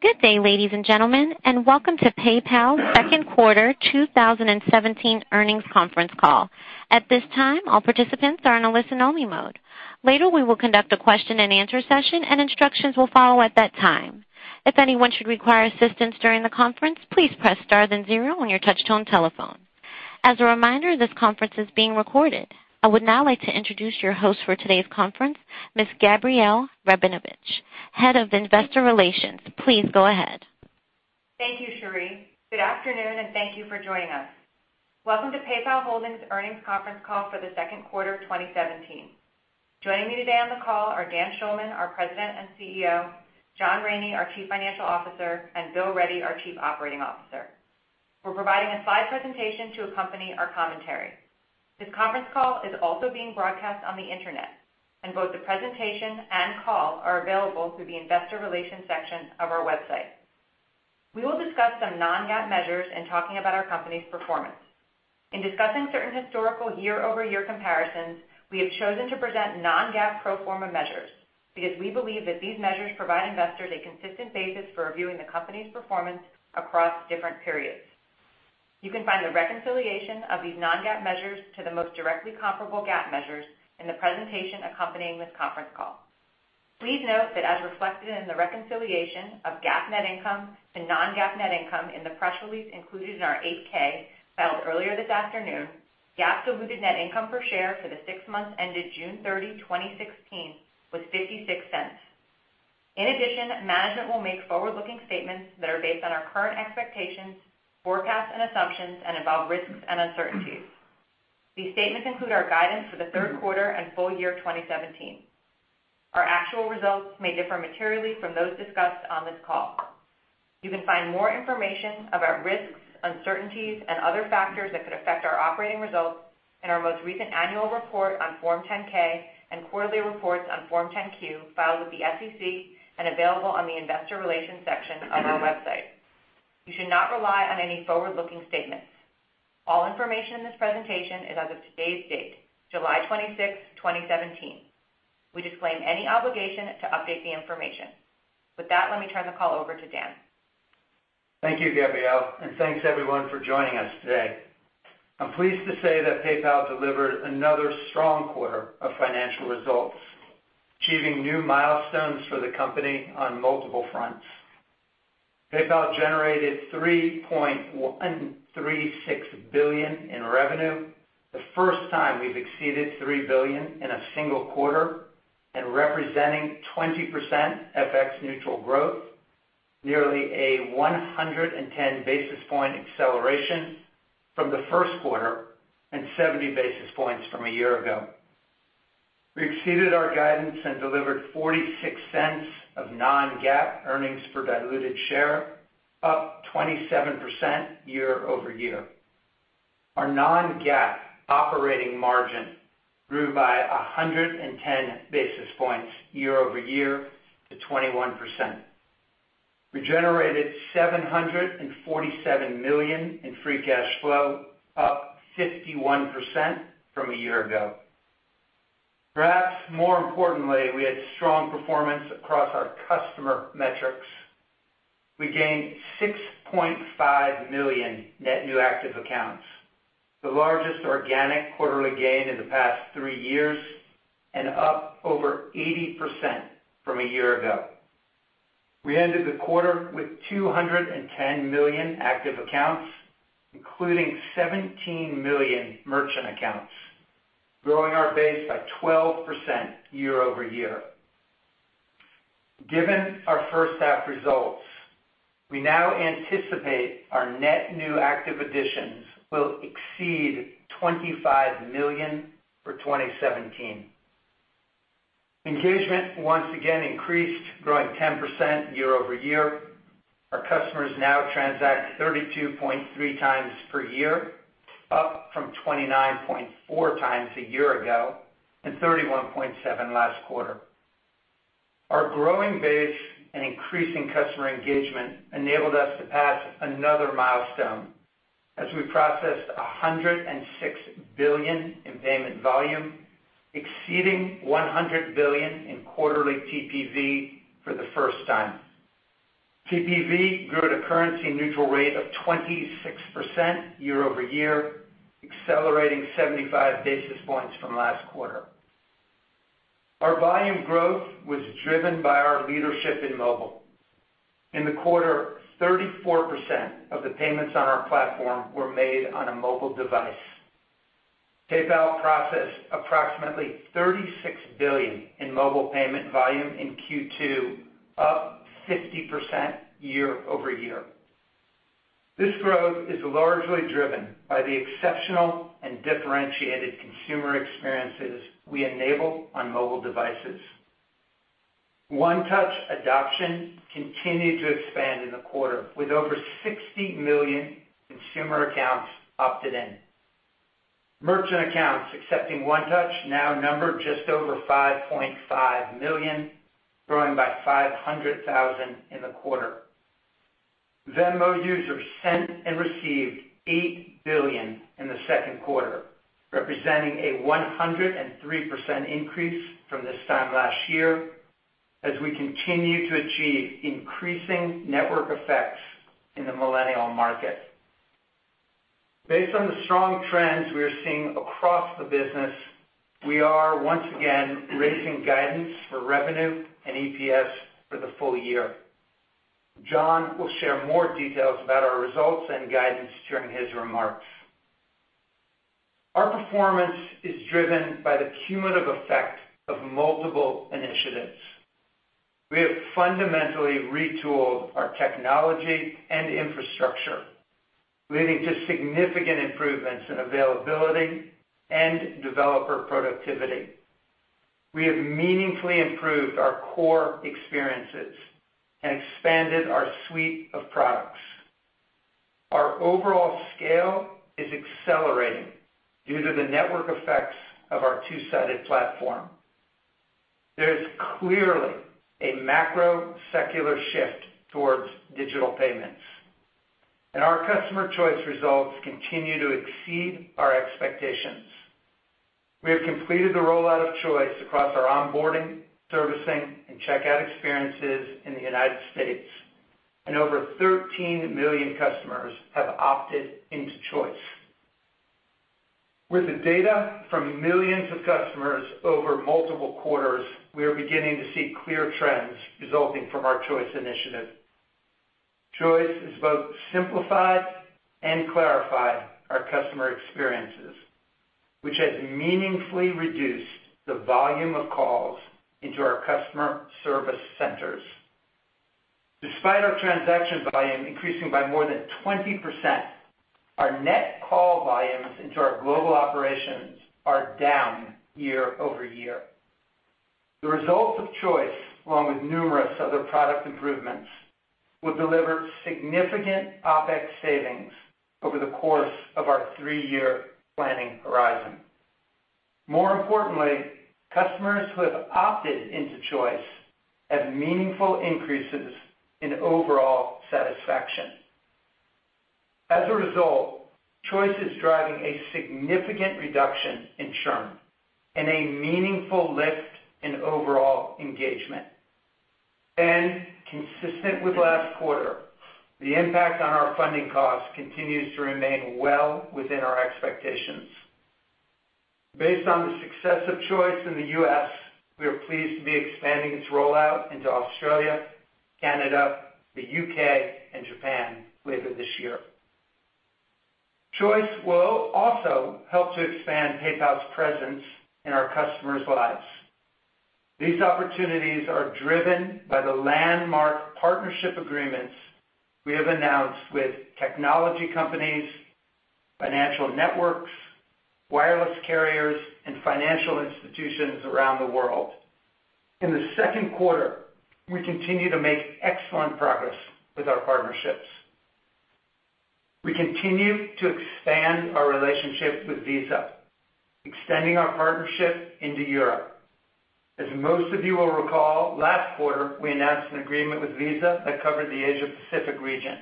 Good day, ladies and gentlemen, and welcome to PayPal's second quarter 2017 earnings conference call. At this time, all participants are in a listen only mode. Later, we will conduct a question and answer session and instructions will follow at that time. If anyone should require assistance during the conference, please press star then zero on your touchtone telephone. As a reminder, this conference is being recorded. I would now like to introduce your host for today's conference, Ms. Gabrielle Rabinovitch, Head of Investor Relations. Please go ahead. Thank you, Cheri. Good afternoon, thank you for joining us. Welcome to PayPal Holdings earnings conference call for the second quarter of 2017. Joining me today on the call are Dan Schulman, our President and CEO, John Rainey, our Chief Financial Officer, and Bill Ready, our Chief Operating Officer. We're providing a slide presentation to accompany our commentary. This conference call is also being broadcast on the internet, both the presentation and call are available through the investor relations section of our website. We will discuss some non-GAAP measures in talking about our company's performance. In discussing certain historical year-over-year comparisons, we have chosen to present non-GAAP pro forma measures because we believe that these measures provide investors a consistent basis for reviewing the company's performance across different periods. You can find the reconciliation of these non-GAAP measures to the most directly comparable GAAP measures in the presentation accompanying this conference call. Please note that as reflected in the reconciliation of GAAP net income to non-GAAP net income in the press release included in our 8-K filed earlier this afternoon, GAAP diluted net income per share for the six months ended June 30, 2016 was $0.56. In addition, management will make forward-looking statements that are based on our current expectations, forecasts and assumptions, and involve risks and uncertainties. These statements include our guidance for the third quarter and full year 2017. Our actual results may differ materially from those discussed on this call. You can find more information about risks, uncertainties, and other factors that could affect our operating results in our most recent annual report on Form 10-K and quarterly reports on Form 10-Q filed with the SEC and available on the investor relations section of our website. You should not rely on any forward-looking statements. All information in this presentation is as of today's date, July 26, 2017. We disclaim any obligation to update the information. With that, let me turn the call over to Dan. Thank you, Gabrielle, and thanks everyone for joining us today. I'm pleased to say that PayPal delivered another strong quarter of financial results, achieving new milestones for the company on multiple fronts. PayPal generated $3.136 billion in revenue, the first time we've exceeded $3 billion in a single quarter, representing 20% FX neutral growth, nearly 110 basis point acceleration from the first quarter and 70 basis points from a year ago. We exceeded our guidance and delivered $0.46 of non-GAAP earnings per diluted share, up 27% year-over-year. Our non-GAAP operating margin grew by 110 basis points year-over-year to 21%. We generated $747 million in free cash flow, up 51% from a year ago. Perhaps more importantly, we had strong performance across our customer metrics. We gained 6.5 million net new active accounts, the largest organic quarterly gain in the past three years, and up over 80% from a year ago. We ended the quarter with 210 million active accounts, including 17 million merchant accounts, growing our base by 12% year-over-year. Given our first half results, we now anticipate our net new active additions will exceed 25 million for 2017. Engagement once again increased, growing 10% year-over-year. Our customers now transact 32.3 times per year, up from 29.4 times a year ago and 31.7 last quarter. Our growing base and increasing customer engagement enabled us to pass another milestone as we processed $106 billion in payment volume, exceeding $100 billion in quarterly TPV for the first time. TPV grew at a currency neutral rate of 26% year-over-year, accelerating 75 basis points from last quarter. Our volume growth was driven by our leadership in mobile. In the quarter, 34% of the payments on our platform were made on a mobile device. PayPal processed approximately $36 billion in mobile payment volume in Q2, up 50% year-over-year. This growth is largely driven by the exceptional and differentiated consumer experiences we enable on mobile devices. One Touch adoption continued to expand in the quarter with over 60 million consumer accounts opted in. Merchant accounts accepting One Touch now number just over 5.5 million, growing by 500,000 in the quarter. Venmo users sent and received $8 billion in the second quarter, representing a 103% increase from this time last year, as we continue to achieve increasing network effects in the millennial market. Based on the strong trends we are seeing across the business, we are once again raising guidance for revenue and EPS for the full year. John will share more details about our results and guidance during his remarks. Our performance is driven by the cumulative effect of multiple initiatives. We have fundamentally retooled our technology and infrastructure, leading to significant improvements in availability and developer productivity. We have meaningfully improved our core experiences and expanded our suite of products. Our overall scale is accelerating due to the network effects of our two-sided platform. There is clearly a macro secular shift towards digital payments, and our customer Choice results continue to exceed our expectations. We have completed the rollout of Choice across our onboarding, servicing, and checkout experiences in the United States, and over 13 million customers have opted into Choice. With the data from millions of customers over multiple quarters, we are beginning to see clear trends resulting from our Choice initiative. Choice has both simplified and clarified our customer experiences, which has meaningfully reduced the volume of calls into our customer service centers. Despite our transaction volume increasing by more than 20%, our net call volumes into our global operations are down year-over-year. The results of Choice, along with numerous other product improvements, will deliver significant OpEx savings over the course of our three-year planning horizon. More importantly, customers who have opted into Choice have meaningful increases in overall satisfaction. As a result, Choice is driving a significant reduction in churn and a meaningful lift in overall engagement. Consistent with last quarter, the impact on our funding costs continues to remain well within our expectations. Based on the success of Choice in the U.S., we are pleased to be expanding its rollout into Australia, Canada, the U.K., and Japan later this year. Choice will also help to expand PayPal's presence in our customers' lives. These opportunities are driven by the landmark partnership agreements we have announced with technology companies, financial networks, wireless carriers, and financial institutions around the world. In the second quarter, we continue to make excellent progress with our partnerships. We continue to expand our relationship with Visa, extending our partnership into Europe. As most of you will recall, last quarter, we announced an agreement with Visa that covered the Asia Pacific region.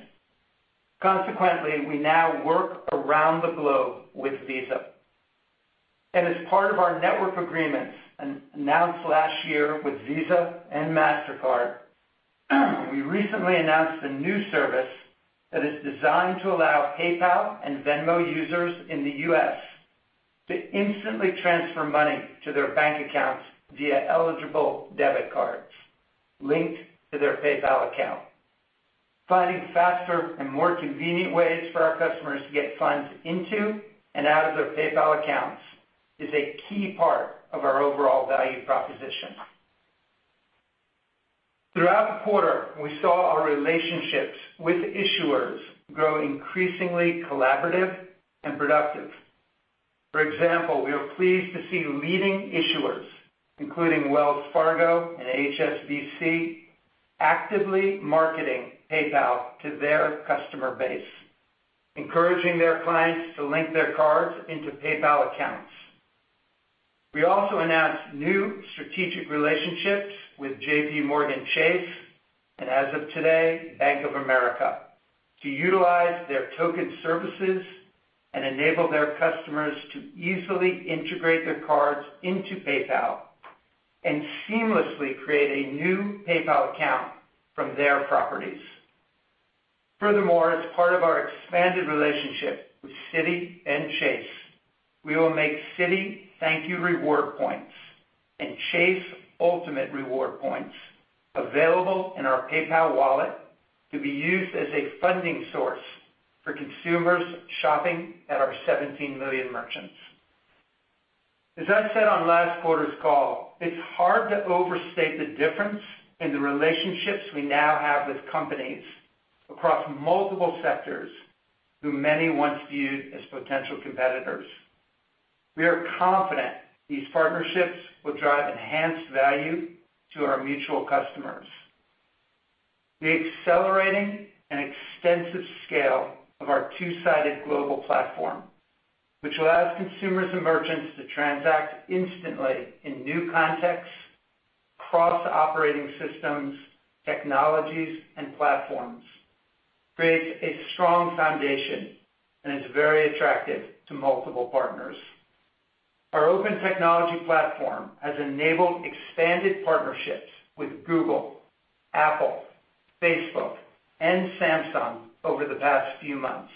Consequently, we now work around the globe with Visa. As part of our network agreements announced last year with Visa and Mastercard, we recently announced a new service that is designed to allow PayPal and Venmo users in the U.S. to instantly transfer money to their bank accounts via eligible debit cards linked to their PayPal account. Finding faster and more convenient ways for our customers to get funds into and out of their PayPal accounts is a key part of our overall value proposition. Throughout the quarter, we saw our relationships with issuers grow increasingly collaborative and productive. For example, we are pleased to see leading issuers, including Wells Fargo and HSBC, actively marketing PayPal to their customer base, encouraging their clients to link their cards into PayPal accounts. We also announced new strategic relationships with JPMorgan Chase, and as of today, Bank of America, to utilize their token services and enable their customers to easily integrate their cards into PayPal and seamlessly create a new PayPal account from their properties. Furthermore, as part of our expanded relationship with Citi and Chase, we will make Citi ThankYou reward points and Chase Ultimate Rewards points available in our PayPal wallet to be used as a funding source for consumers shopping at our 17 million merchants. As I said on last quarter's call, it's hard to overstate the difference in the relationships we now have with companies across multiple sectors who many once viewed as potential competitors. We are confident these partnerships will drive enhanced value to our mutual customers. The accelerating and extensive scale of our two-sided global platform, which allows consumers and merchants to transact instantly in new contexts Cross-operating systems, technologies, and platforms creates a strong foundation and is very attractive to multiple partners. Our open technology platform has enabled expanded partnerships with Google, Apple, Facebook, and Samsung over the past few months.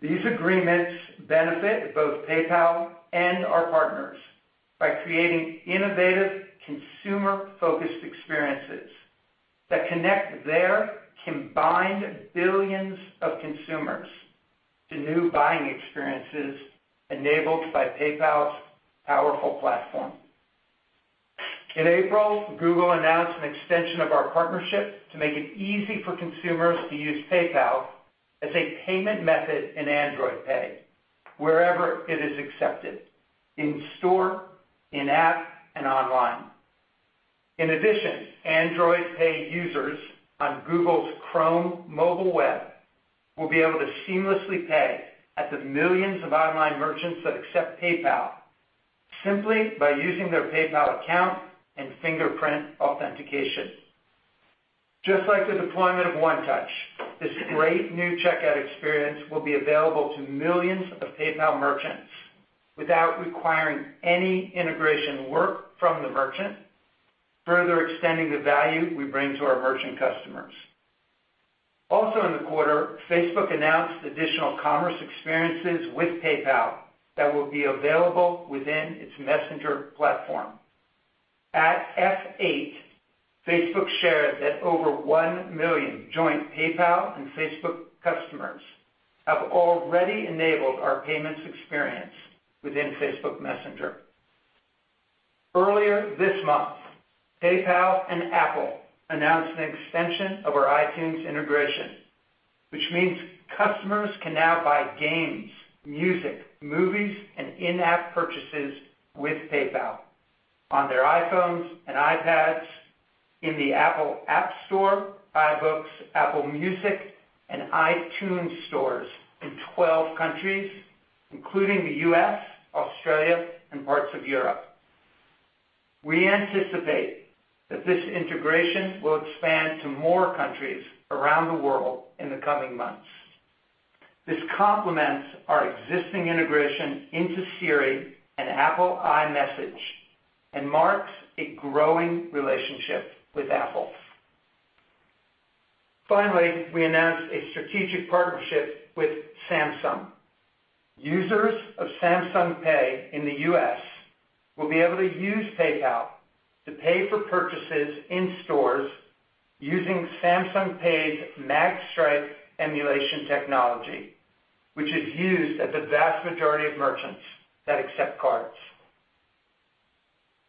These agreements benefit both PayPal and our partners by creating innovative consumer-focused experiences that connect their combined billions of consumers to new buying experiences enabled by PayPal's powerful platform. In April, Google announced an extension of our partnership to make it easy for consumers to use PayPal as a payment method in Android Pay wherever it is accepted, in store, in app, and online. In addition, Android Pay users on Google's Chrome mobile web will be able to seamlessly pay at the millions of online merchants that accept PayPal simply by using their PayPal account and fingerprint authentication. Just like the deployment of One Touch, this great new checkout experience will be available to millions of PayPal merchants without requiring any integration work from the merchant, further extending the value we bring to our merchant customers. In the quarter, Facebook announced additional commerce experiences with PayPal that will be available within its Messenger platform. At F8, Facebook shared that over 1 million joint PayPal and Facebook customers have already enabled our payments experience within Facebook Messenger. Earlier this month, PayPal and Apple announced an extension of our iTunes integration, which means customers can now buy games, music, movies, and in-app purchases with PayPal on their iPhones and iPads, in the Apple App Store, iBooks, Apple Music, and iTunes stores in 12 countries, including the U.S., Australia, and parts of Europe. We anticipate that this integration will expand to more countries around the world in the coming months. This complements our existing integration into Siri and Apple iMessage and marks a growing relationship with Apple. Finally, we announced a strategic partnership with Samsung. Users of Samsung Pay in the U.S. will be able to use PayPal to pay for purchases in stores using Samsung Pay's magstripe emulation technology, which is used at the vast majority of merchants that accept cards.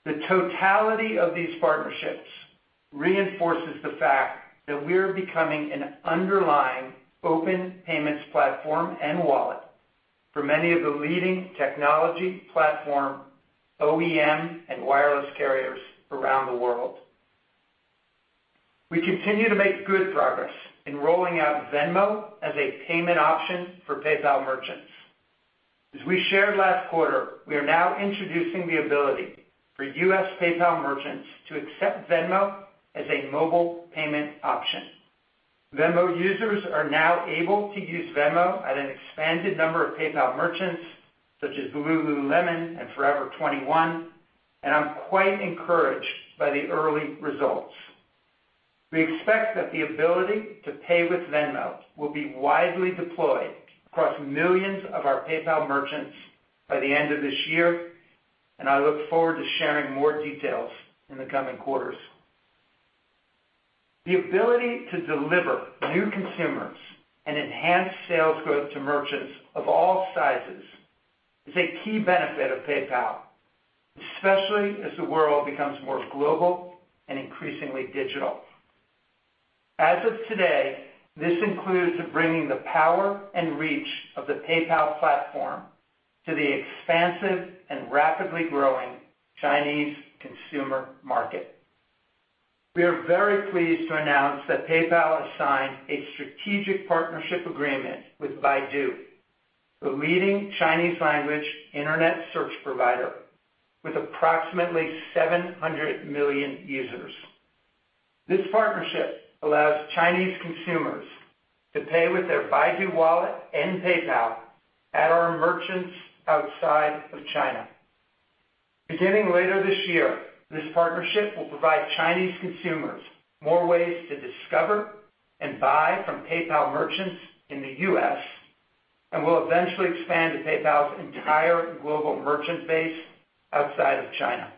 The totality of these partnerships reinforces the fact that we're becoming an underlying open payments platform and wallet for many of the leading technology platform OEM and wireless carriers around the world. We continue to make good progress in rolling out Venmo as a payment option for PayPal merchants. As we shared last quarter, we are now introducing the ability for U.S. PayPal merchants to accept Venmo as a mobile payment option. Venmo users are now able to use Venmo at an expanded number of PayPal merchants, such as Lululemon and Forever 21, and I'm quite encouraged by the early results. We expect that the ability to pay with Venmo will be widely deployed across millions of our PayPal merchants by the end of this year, and I look forward to sharing more details in the coming quarters. The ability to deliver new consumers and enhance sales growth to merchants of all sizes is a key benefit of PayPal, especially as the world becomes more global and increasingly digital. As of today, this includes bringing the power and reach of the PayPal platform to the expansive and rapidly growing Chinese consumer market. We are very pleased to announce that PayPal has signed a strategic partnership agreement with Baidu, the leading Chinese language internet search provider with approximately 700 million users. This partnership allows Chinese consumers to pay with their Baidu Wallet and PayPal at our merchants outside of China. Beginning later this year, this partnership will provide Chinese consumers more ways to discover and buy from PayPal merchants in the U.S. and will eventually expand to PayPal's entire global merchant base outside of China.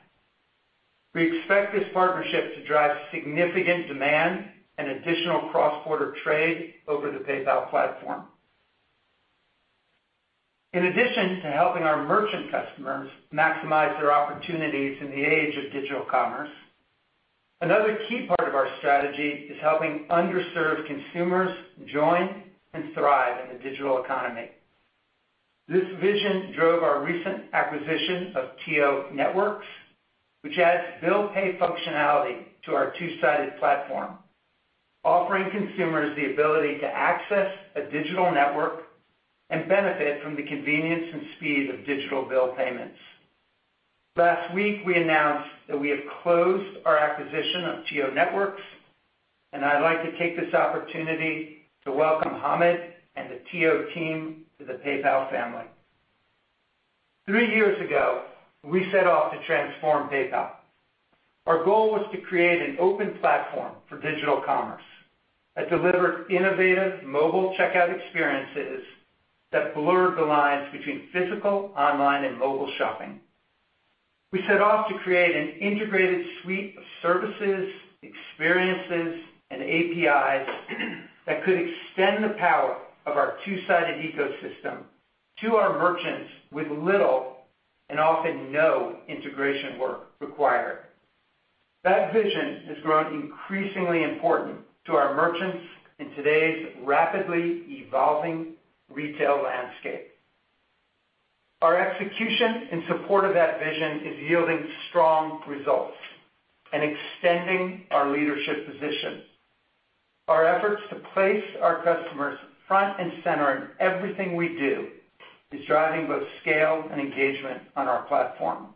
We expect this partnership to drive significant demand and additional cross-border trade over the PayPal platform. In addition to helping our merchant customers maximize their opportunities in the age of digital commerce, another key part of our strategy is helping underserved consumers join and thrive in the digital economy. This vision drove our recent acquisition of TIO Networks, which adds bill pay functionality to our two-sided platform, offering consumers the ability to access a digital network and benefit from the convenience and speed of digital bill payments. Last week, we announced that we have closed our acquisition of TIO Networks, and I'd like to take this opportunity to welcome Hamid and the TIO team to the PayPal family. Three years ago, we set off to transform PayPal. Our goal was to create an open platform for digital commerce that delivered innovative mobile checkout experiences that blurred the lines between physical, online, and mobile shopping. We set off to create an integrated suite of services, experiences, and APIs that could extend the power of our two-sided ecosystem to our merchants with little and often no integration work required. That vision has grown increasingly important to our merchants in today's rapidly evolving retail landscape. Our execution in support of that vision is yielding strong results and extending our leadership position. Our efforts to place our customers front and center in everything we do is driving both scale and engagement on our platform.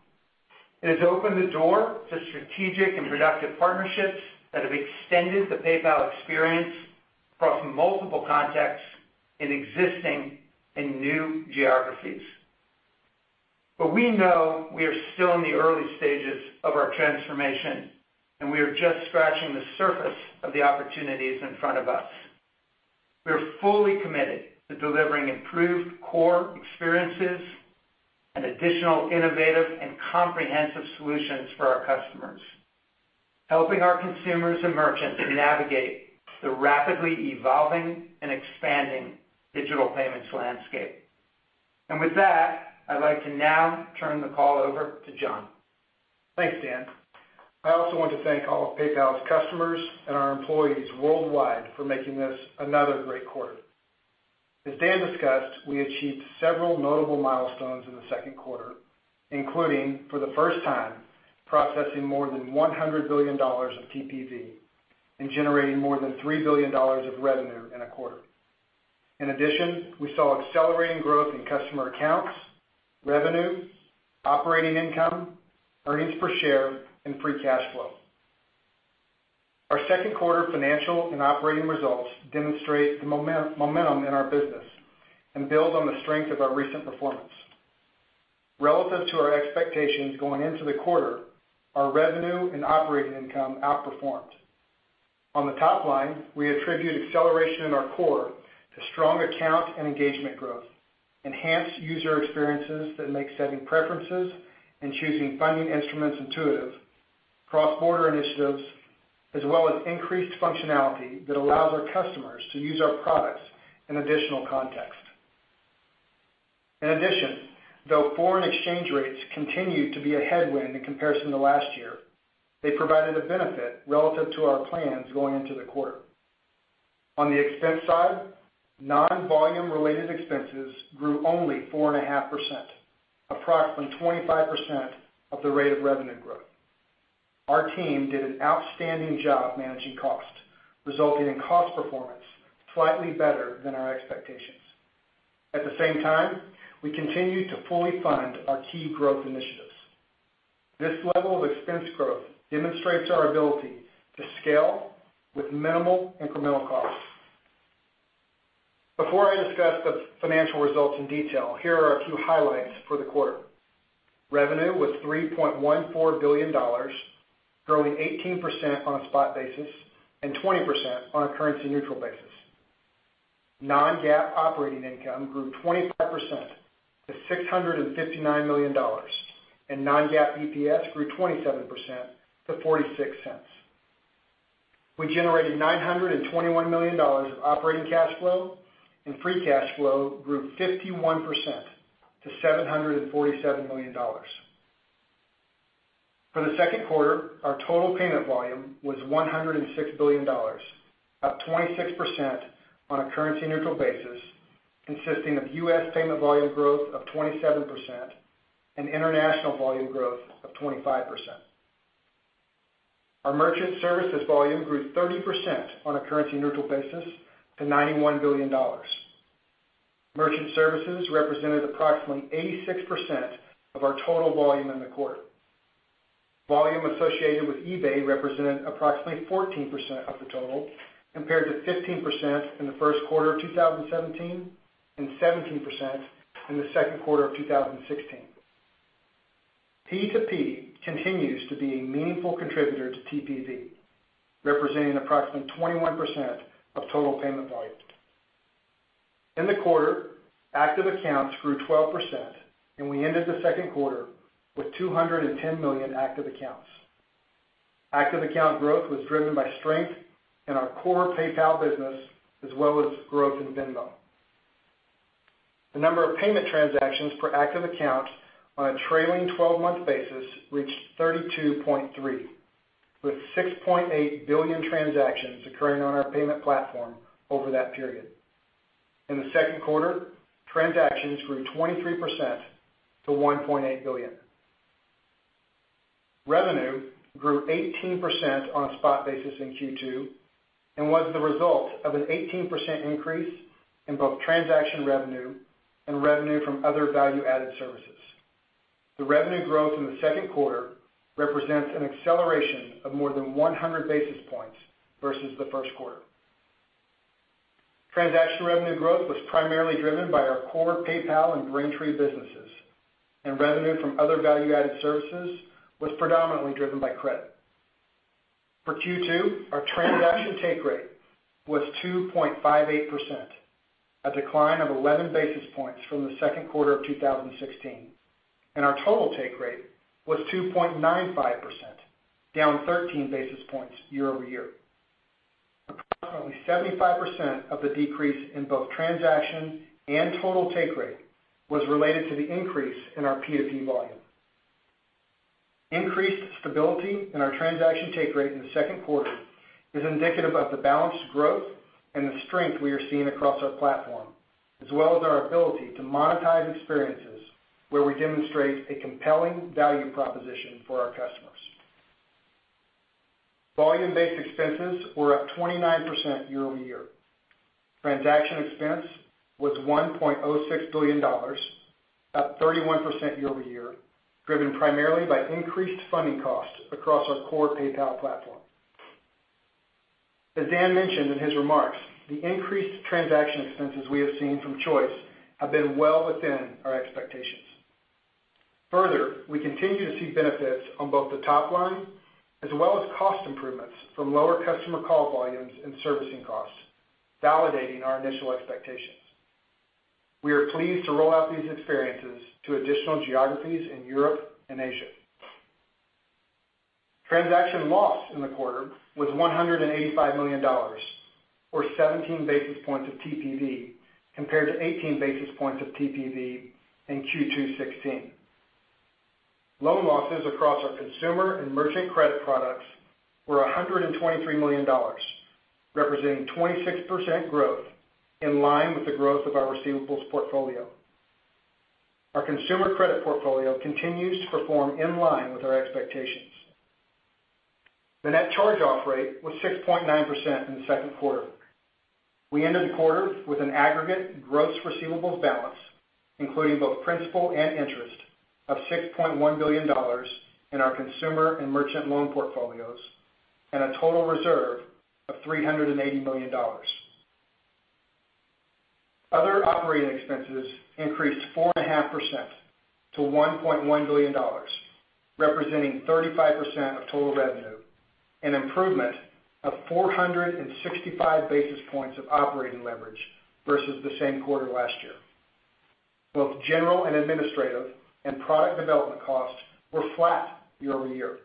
It has opened the door to strategic and productive partnerships that have extended the PayPal experience across multiple contexts in existing and new geographies. We know we are still in the early stages of our transformation, and we are just scratching the surface of the opportunities in front of us. We are fully committed to delivering improved core experiences and additional innovative and comprehensive solutions for our customers, helping our consumers and merchants navigate the rapidly evolving and expanding digital payments landscape. With that, I'd like to now turn the call over to John. Thanks, Dan. I also want to thank all of PayPal's customers and our employees worldwide for making this another great quarter. As Dan discussed, we achieved several notable milestones in the second quarter, including, for the first time, processing more than $100 billion of TPV and generating more than $3 billion of revenue in a quarter. In addition, we saw accelerating growth in customer accounts, revenue, operating income, earnings per share, and free cash flow. Our second quarter financial and operating results demonstrate the momentum in our business and build on the strength of our recent performance. Relative to our expectations going into the quarter, our revenue and operating income outperformed. On the top line, we attribute acceleration in our core to strong account and engagement growth, enhanced user experiences that make setting preferences and choosing funding instruments intuitive, cross-border initiatives, as well as increased functionality that allows our customers to use our products in additional context. In addition, though foreign exchange rates continue to be a headwind in comparison to last year, they provided a benefit relative to our plans going into the quarter. On the expense side, non-volume related expenses grew only 4.5%, approximately 25% of the rate of revenue growth. Our team did an outstanding job managing cost, resulting in cost performance slightly better than our expectations. At the same time, we continue to fully fund our key growth initiatives. This level of expense growth demonstrates our ability to scale with minimal incremental costs. Before I discuss the financial results in detail, here are a few highlights for the quarter. Revenue was $3.14 billion, growing 18% on a spot basis and 20% on a currency-neutral basis. Non-GAAP operating income grew 25% to $659 million, and non-GAAP EPS grew 27% to $0.46. We generated $921 million of operating cash flow, and free cash flow grew 51% to $747 million. For the second quarter, our total payment volume was $106 billion, up 26% on a currency-neutral basis, consisting of U.S. payment volume growth of 27% and international volume growth of 25%. Our merchant services volume grew 30% on a currency-neutral basis to $91 billion. Merchant services represented approximately 86% of our total volume in the quarter. Volume associated with eBay represented approximately 14% of the total, compared to 15% in the first quarter of 2017 and 17% in the second quarter of 2016. P2P continues to be a meaningful contributor to TPV, representing approximately 21% of total payment volume. In the quarter, active accounts grew 12%, and we ended the second quarter with 210 million active accounts. Active account growth was driven by strength in our core PayPal business, as well as growth in Venmo. The number of payment transactions per active account on a trailing 12-month basis reached 32.3, with 6.8 billion transactions occurring on our payment platform over that period. In the second quarter, transactions grew 23% to $1.8 billion. Revenue grew 18% on a spot basis in Q2, and was the result of an 18% increase in both transaction revenue and revenue from other value-added services. The revenue growth in the second quarter represents an acceleration of more than 100 basis points versus the first quarter. Transaction revenue growth was primarily driven by our core PayPal and Braintree businesses, and revenue from other value-added services was predominantly driven by credit. For Q2, our transaction take rate was 2.58%, a decline of 11 basis points from the second quarter of 2016, and our total take rate was 2.95%, down 13 basis points year-over-year. Approximately 75% of the decrease in both transaction and total take rate was related to the increase in our P2P volume. Increased stability in our transaction take rate in the second quarter is indicative of the balanced growth and the strength we are seeing across our platform, as well as our ability to monetize experiences where we demonstrate a compelling value proposition for our customers. Volume-based expenses were up 29% year-over-year. Transaction expense was $1.06 billion, up 31% year-over-year, driven primarily by increased funding costs across our core PayPal platform. As Dan mentioned in his remarks, the increased transaction expenses we have seen from Choice have been well within our expectations. We continue to see benefits on both the top line as well as cost improvements from lower customer call volumes and servicing costs, validating our initial expectations. We are pleased to roll out these experiences to additional geographies in Europe and Asia. Transaction loss in the quarter was $185 million, or 17 basis points of TPV, compared to 18 basis points of TPV in Q2 2016. Loan losses across our consumer and merchant credit products were $123 million, representing 26% growth in line with the growth of our receivables portfolio. Our consumer credit portfolio continues to perform in line with our expectations. The net charge-off rate was 6.9% in the second quarter. We ended the quarter with an aggregate gross receivables balance, including both principal and interest, of $6.1 billion in our consumer and merchant loan portfolios, and a total reserve of $380 million. Other operating expenses increased 4.5% to $1.1 billion, representing 35% of total revenue, an improvement of 465 basis points of operating leverage versus the same quarter last year. Both general and administrative and product development costs were flat year-over-year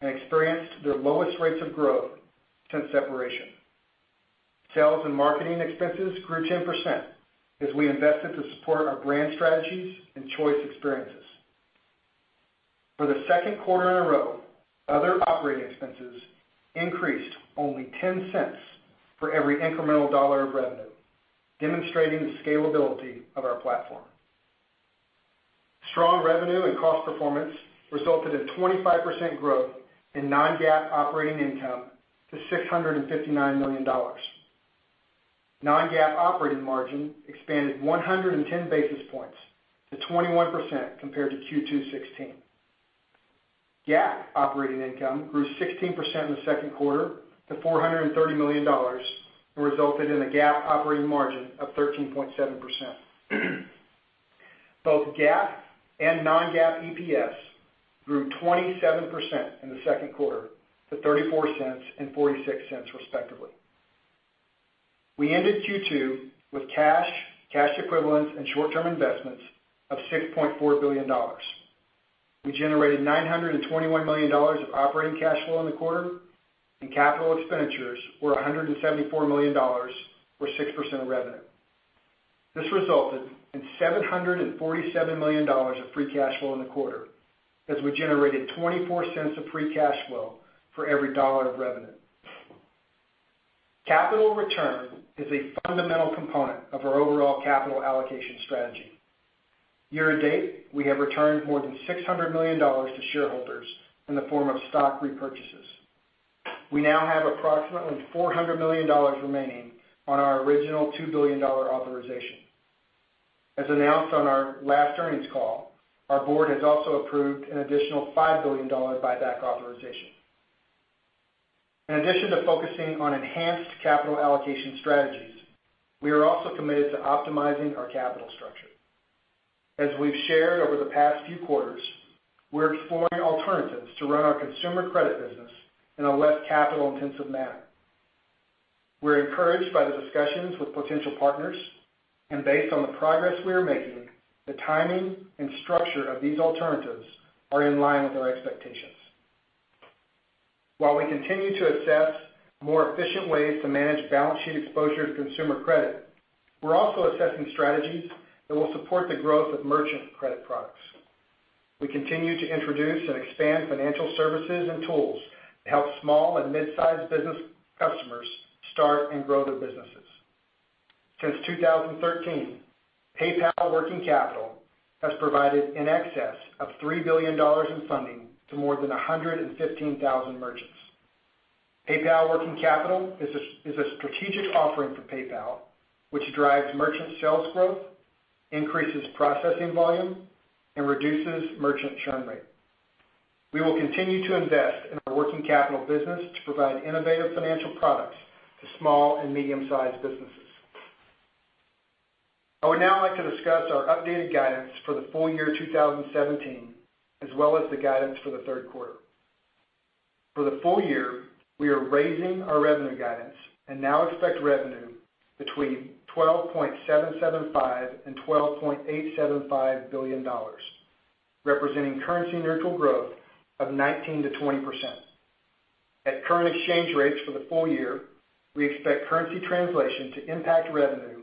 and experienced their lowest rates of growth since separation. Sales and marketing expenses grew 10% as we invested to support our brand strategies and Choice experiences. For the second quarter in a row, other operating expenses increased only $0.10 for every incremental dollar of revenue, demonstrating the scalability of our platform. Strong revenue and cost performance resulted in 25% growth in non-GAAP operating income to $659 million. Non-GAAP operating margin expanded 110 basis points to 21% compared to Q2 2016. GAAP operating income grew 16% in the second quarter to $430 million, and resulted in a GAAP operating margin of 13.7%. Both GAAP and non-GAAP EPS grew 27% in the second quarter to $0.34 and $0.46, respectively. We ended Q2 with cash equivalents, and short-term investments of $6.4 billion. We generated $921 million of operating cash flow in the quarter, and capital expenditures were $174 million, or 6% of revenue. This resulted in $747 million of free cash flow in the quarter as we generated $0.24 of free cash flow for every dollar of revenue. Capital return is a fundamental component of our overall capital allocation strategy. Year-to-date, we have returned more than $600 million to shareholders in the form of stock repurchases. We now have approximately $400 million remaining on our original $2 billion authorization. As announced on our last earnings call, our board has also approved an additional $5 billion buyback authorization. In addition to focusing on enhanced capital allocation strategies, we are also committed to optimizing our capital structure. As we've shared over the past few quarters, we're exploring alternatives to run our consumer credit business in a less capital-intensive manner. We're encouraged by the discussions with potential partners, and based on the progress we are making, the timing and structure of these alternatives are in line with our expectations. While we continue to assess more efficient ways to manage balance sheet exposure to consumer credit, we're also assessing strategies that will support the growth of merchant credit products. We continue to introduce and expand financial services and tools to help small and mid-sized business customers start and grow their businesses. Since 2013, PayPal Working Capital has provided in excess of $3 billion in funding to more than 115,000 merchants. PayPal Working Capital is a strategic offering for PayPal, which drives merchant sales growth, increases processing volume, and reduces merchant churn rate. We will continue to invest in our Working Capital business to provide innovative financial products to small and medium-sized businesses. I would now like to discuss our updated guidance for the full year 2017, as well as the guidance for the third quarter. For the full year, we are raising our revenue guidance and now expect revenue between $12.775 billion and $12.875 billion, representing currency-neutral growth of 19%-20%. At current exchange rates for the full year, we expect currency translation to impact revenue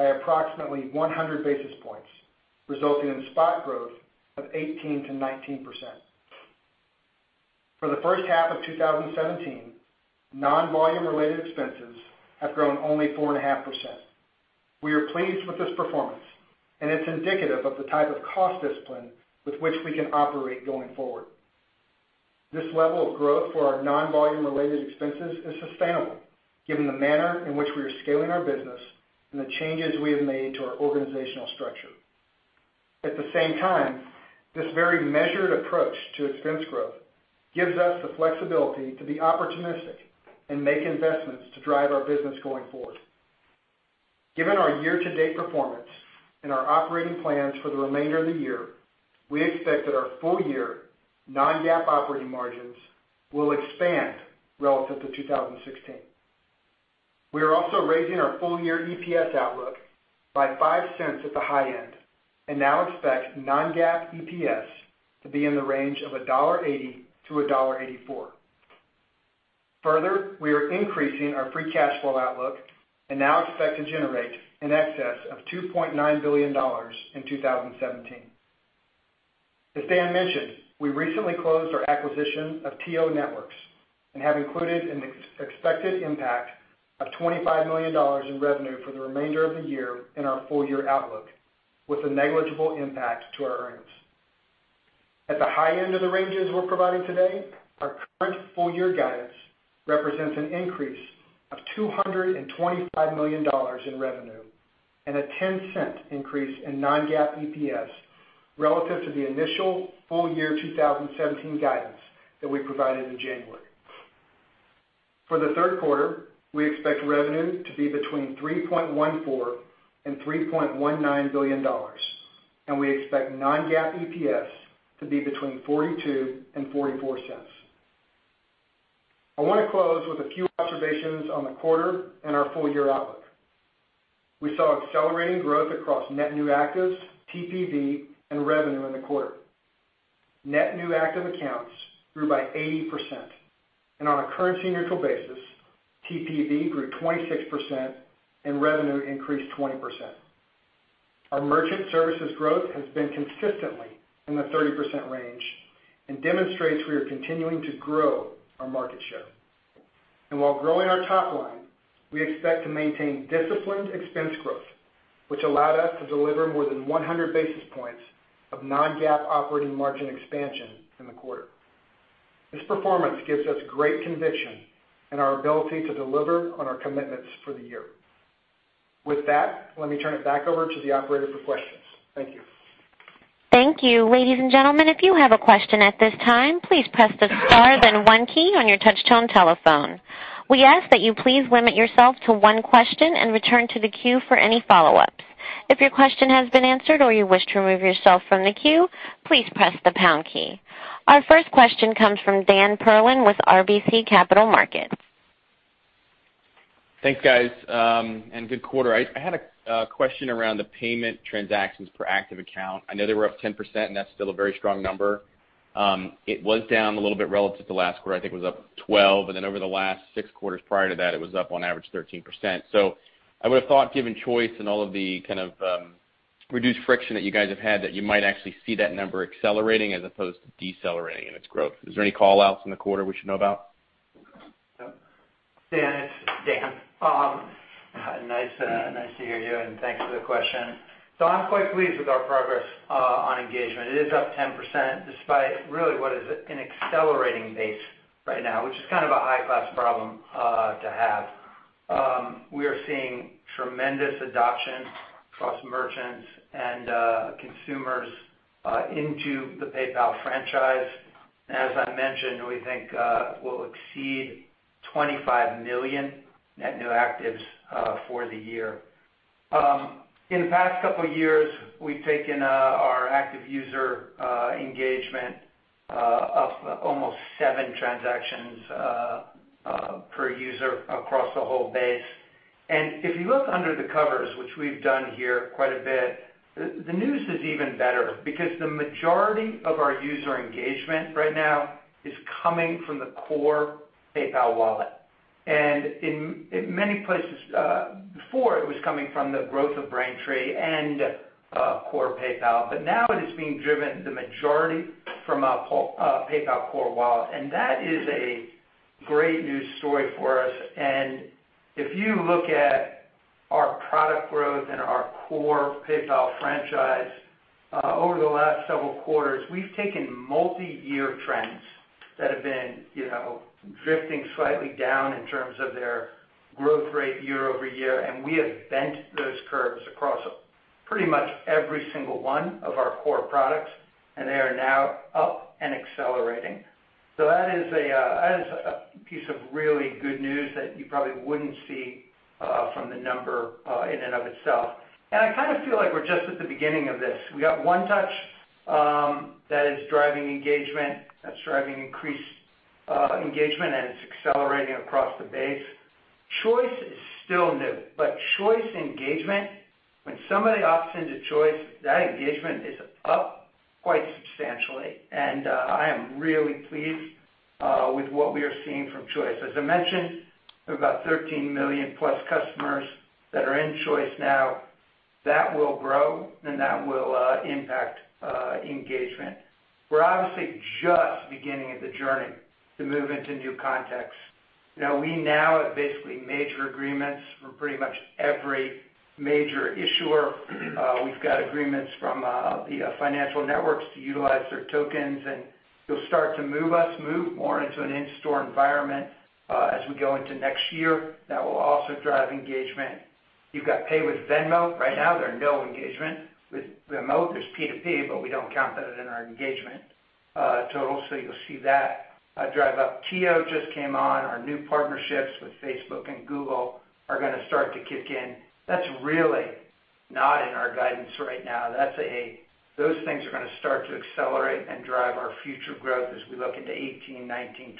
by approximately 100 basis points, resulting in spot growth of 18%-19%. For the first half of 2017, non-volume related expenses have grown only 4.5%. We are pleased with this performance. It's indicative of the type of cost discipline with which we can operate going forward. This level of growth for our non-volume related expenses is sustainable, given the manner in which we are scaling our business and the changes we have made to our organizational structure. At the same time, this very measured approach to expense growth gives us the flexibility to be opportunistic and make investments to drive our business going forward. Given our year-to-date performance and our operating plans for the remainder of the year, we expect that our full-year non-GAAP operating margins will expand relative to 2016. We are also raising our full-year EPS outlook by $0.05 at the high end and now expect non-GAAP EPS to be in the range of $1.80-$1.84. We are increasing our free cash flow outlook and now expect to generate in excess of $2.9 billion in 2017. As Dan mentioned, we recently closed our acquisition of TIO Networks and have included an expected impact of $25 million in revenue for the remainder of the year in our full-year outlook with a negligible impact to our earnings. At the high end of the ranges we're providing today, our current full-year guidance represents an increase of $225 million in revenue and a $0.10 increase in non-GAAP EPS relative to the initial full year 2017 guidance that we provided in January. For the third quarter, we expect revenue to be between $3.14 billion and $3.19 billion, and we expect non-GAAP EPS to be between $0.42 and $0.44. I want to close with a few observations on the quarter and our full-year outlook. We saw accelerating growth across net new actives, TPV, and revenue in the quarter. Net new active accounts grew by 80%, and on a currency-neutral basis, TPV grew 26% and revenue increased 20%. Our merchant services growth has been consistently in the 30% range and demonstrates we are continuing to grow our market share. While growing our top line, we expect to maintain disciplined expense growth, which allowed us to deliver more than 100 basis points of non-GAAP operating margin expansion in the quarter. This performance gives us great conviction in our ability to deliver on our commitments for the year. With that, let me turn it back over to the operator for questions. Thank you. Thank you. Ladies and gentlemen, if you have a question at this time, please press the star then one key on your touch tone telephone. We ask that you please limit yourself to one question and return to the queue for any follow-ups. If your question has been answered or you wish to remove yourself from the queue, please press the pound key. Our first question comes from Daniel Perlin with RBC Capital Markets. Thanks, guys, good quarter. I had a question around the payment transactions per active account. I know they were up 10%, and that's still a very strong number. It was down a little bit relative to last quarter. I think it was up 12%, and then over the last six quarters prior to that, it was up on average 13%. I would have thought, given Choice and all of the reduced friction that you guys have had, that you might actually see that number accelerating as opposed to decelerating in its growth. Is there any call-outs in the quarter we should know about? Dan, it's Dan. Thanks for the question. I'm quite pleased with our progress on engagement. It is up 10% despite really what is an accelerating base right now, which is kind of a high-class problem to have. We are seeing tremendous adoption across merchants and consumers into the PayPal franchise. As I mentioned, we think we'll exceed 25 million net new actives for the year. In the past couple of years, we've taken our active user engagement of almost seven transactions per user across the whole base. If you look under the covers, which we've done here quite a bit, the news is even better because the majority of our user engagement right now is coming from the core PayPal Wallet. In many places before, it was coming from the growth of Braintree and core PayPal. Now it is being driven the majority from PayPal Core Wallet. That is a great news story for us. If you look at our product growth and our core PayPal franchise over the last several quarters, we've taken multi-year trends that have been drifting slightly down in terms of their growth rate year-over-year. We have bent those curves across pretty much every single one of our core products. They are now up and accelerating. That is a piece of really good news that you probably wouldn't see from the number in and of itself. I feel like we're just at the beginning of this. We got One Touch that is driving increased engagement. It's accelerating across the base. Choice is still new. Choice engagement, when somebody opts into Choice, that engagement is up quite substantially. I am really pleased with what we are seeing from Choice. As I mentioned, we have about 13 million+ customers that are in Choice now. That will grow. That will impact engagement. We're obviously just beginning the journey to move into new contexts. We now have basically major agreements for pretty much every major issuer. We've got agreements from the financial networks to utilize their tokens. You'll start to move us move more into an in-store environment as we go into next year. That will also drive engagement. You've got Pay with Venmo. Right now, there are no engagement with Venmo. There's P2P. We don't count that in our engagement total. You'll see that drive up. TIO just came on. Our new partnerships with Facebook and Google are going to start to kick in. That's really not in our guidance right now. Those things are going to start to accelerate and drive our future growth as we look into 2018, 2019,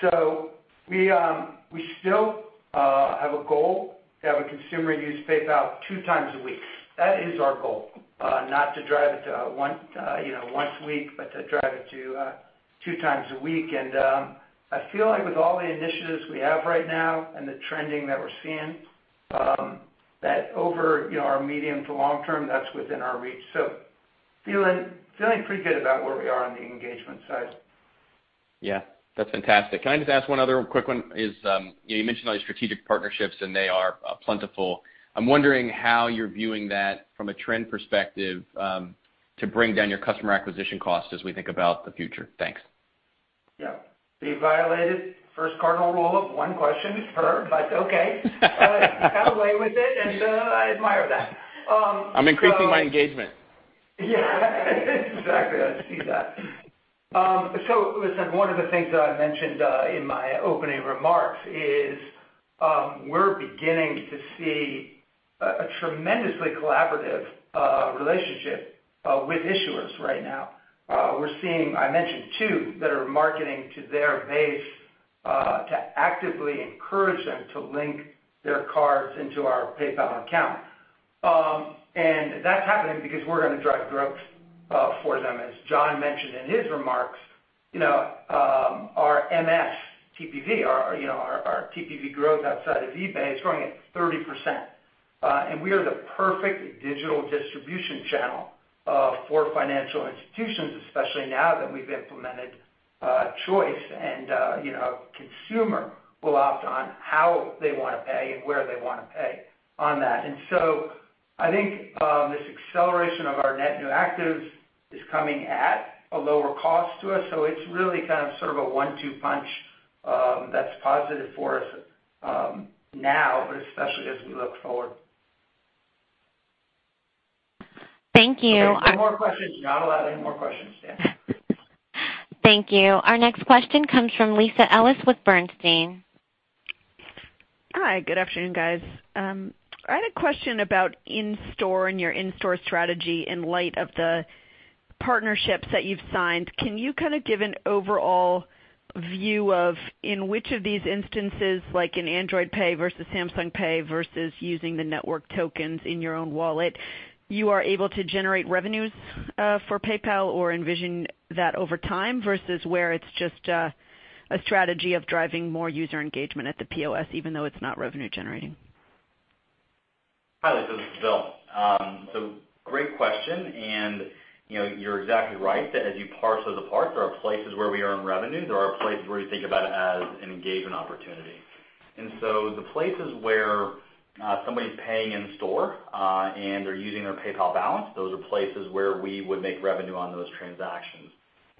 2020. We still have a goal to have a consumer use PayPal two times a week. That is our goal. Not to drive it to once a week. To drive it to two times a week. I feel like with all the initiatives we have right now and the trending that we're seeing, that over our medium to long term, that's within our reach. Feeling pretty good about where we are on the engagement side. Yeah. That's fantastic. Can I just ask one other quick one is, you mentioned all these strategic partnerships. They are plentiful. I'm wondering how you're viewing that from a trend perspective to bring down your customer acquisition cost as we think about the future. Thanks. Yeah. We violated first cardinal rule of one question per, but okay. You got away with it, and I admire that. I'm increasing my engagement. Yeah. Exactly. I see that. Listen, one of the things that I mentioned in my opening remarks is we're beginning to see a tremendously collaborative relationship with issuers right now. We're seeing, I mentioned two that are marketing to their base to actively encourage them to link their cards into our PayPal account. That's happening because we're going to drive growth for them. As John mentioned in his remarks, our MS TPV, our TPV growth outside of eBay is growing at 30%. We are the perfect digital distribution channel for financial institutions, especially now that we've implemented Choice, and a consumer will opt on how they want to pay and where they want to pay on that. I think this acceleration of our net new actives is coming at a lower cost to us. It's really a one-two punch that's positive for us now, but especially as we look forward. Thank you. Okay. Two more questions. You're not allowed any more questions, Dan. Thank you. Our next question comes from Lisa Ellis with Bernstein. Hi. Good afternoon, guys. I had a question about in-store and your in-store strategy in light of the partnerships that you've signed. Can you give an overall view of in which of these instances, like in Android Pay versus Samsung Pay versus using the network tokens in your own wallet, you are able to generate revenues for PayPal or envision that over time versus where it's just a strategy of driving more user engagement at the POS, even though it's not revenue generating? Hi, Lisa. This is Bill. Great question, you're exactly right that as you parse those apart, there are places where we earn revenue. There are places where we think about it as an engagement opportunity. The places where somebody's paying in store, and they're using their PayPal balance, those are places where we would make revenue on those transactions.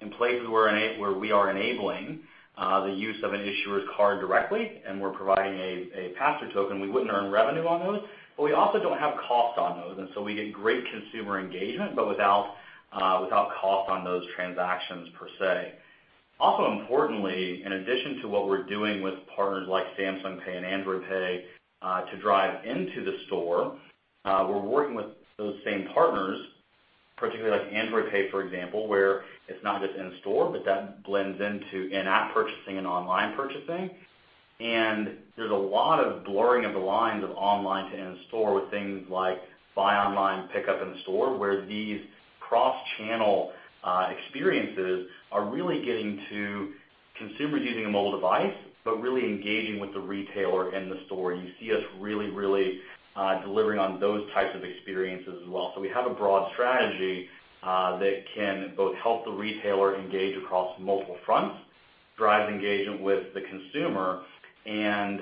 In places where we are enabling the use of an issuer's card directly, and we're providing a pass-through token, we wouldn't earn revenue on those, but we also don't have cost on those. We get great consumer engagement, but without cost on those transactions, per se. Importantly, in addition to what we're doing with partners like Samsung Pay and Android Pay to drive into the store, we're working with those same partners Particularly like Android Pay, for example, where it's not just in-store, but that blends into in-app purchasing and online purchasing. There's a lot of blurring of the lines of online to in-store with things like buy online, pick up in store, where these cross-channel experiences are really getting to consumers using a mobile device, but really engaging with the retailer in the store. You see us really delivering on those types of experiences as well. We have a broad strategy that can both help the retailer engage across multiple fronts, drive engagement with the consumer, and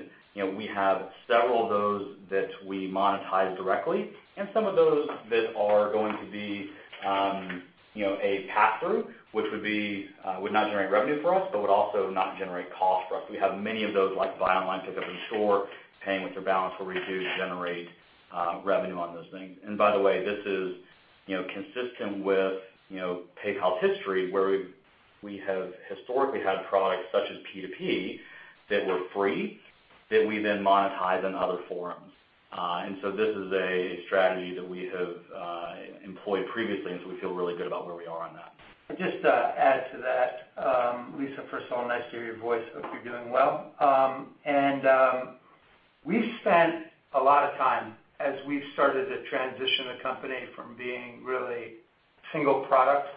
we have several of those that we monetize directly and some of those that are going to be a pass-through, which would not generate revenue for us, but would also not generate cost for us. We have many of those, like buy online, pick up in store, paying with your balance, where we do generate revenue on those things. By the way, this is consistent with PayPal's history, where we have historically had products such as P2P that were free, that we then monetize in other forums. This is a strategy that we have employed previously, we feel really good about where we are on that. Just to add to that, Lisa, first of all, nice to hear your voice. Hope you're doing well. We've spent a lot of time as we've started to transition the company from being really single product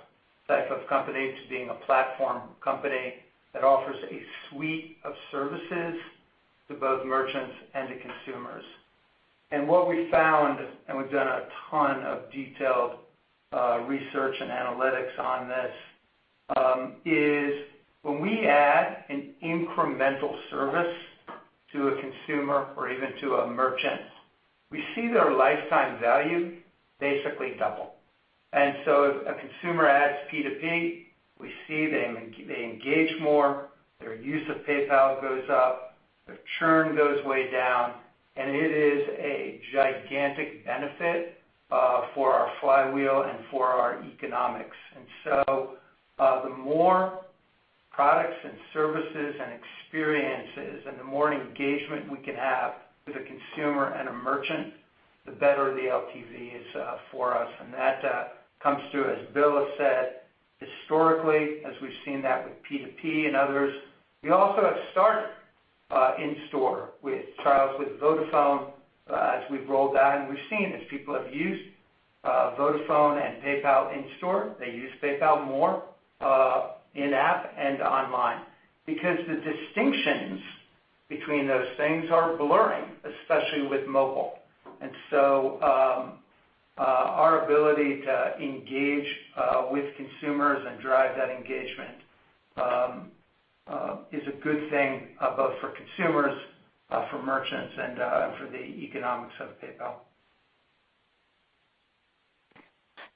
type of company to being a platform company that offers a suite of services to both merchants and to consumers. What we found, and we've done a ton of detailed research and analytics on this, is when we add an incremental service to a consumer or even to a merchant, we see their lifetime value basically double. If a consumer adds P2P, we see they engage more, their use of PayPal goes up, their churn goes way down, and it is a gigantic benefit for our flywheel and for our economics. The more products and services and experiences, and the more engagement we can have with a consumer and a merchant, the better the LTV is for us. That comes through, as Bill has said, historically, as we've seen that with P2P and others. We also have started in-store with trials with Vodafone as we've rolled that, and we've seen as people have used Vodafone and PayPal in store, they use PayPal more in-app and online because the distinctions between those things are blurring, especially with mobile. Our ability to engage with consumers and drive that engagement is a good thing both for consumers, for merchants, and for the economics of PayPal.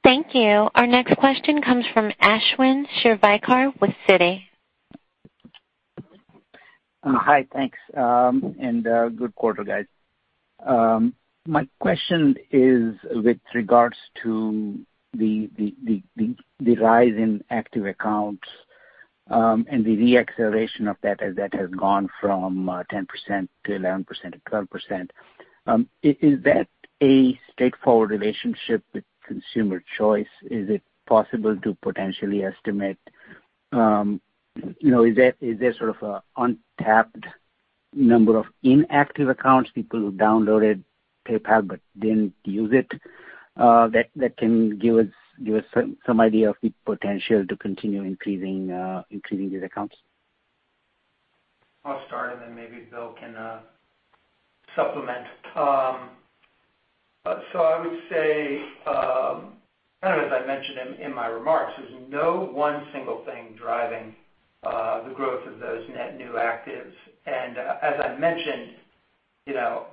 Thank you. Our next question comes from Ashwin Shirvaikar with Citi. Hi. Thanks, and good quarter, guys. My question is with regards to the rise in active accounts and the re-acceleration of that as that has gone from 10% to 11% to 12%. Is that a straightforward relationship with consumer choice? Is it possible to potentially estimate, is there sort of an untapped number of inactive accounts, people who downloaded PayPal but didn't use it, that can give us some idea of the potential to continue increasing these accounts? I'll start and then maybe Bill can supplement. I would say, as I mentioned in my remarks, there's no one single thing driving the growth of those net new actives. As I mentioned, I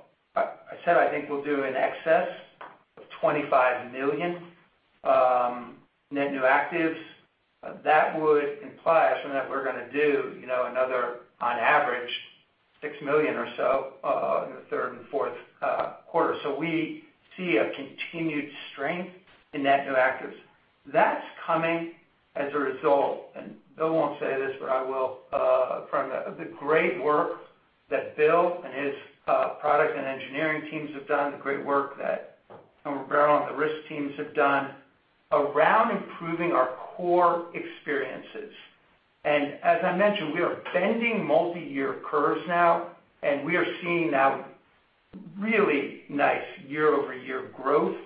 said I think we'll do in excess of 25 million net new actives. That would imply assuming that we're gonna do another, on average, 6 million or so in the third and fourth quarter. We see a continued strength in net new actives. That's coming as a result, and Bill won't say this, but I will, from the great work that Bill and his product and engineering teams have done, the great work that Cameron MacRae and the risk teams have done around improving our core experiences. As I mentioned, we are bending multi-year curves now, and we are seeing now really nice year-over-year growth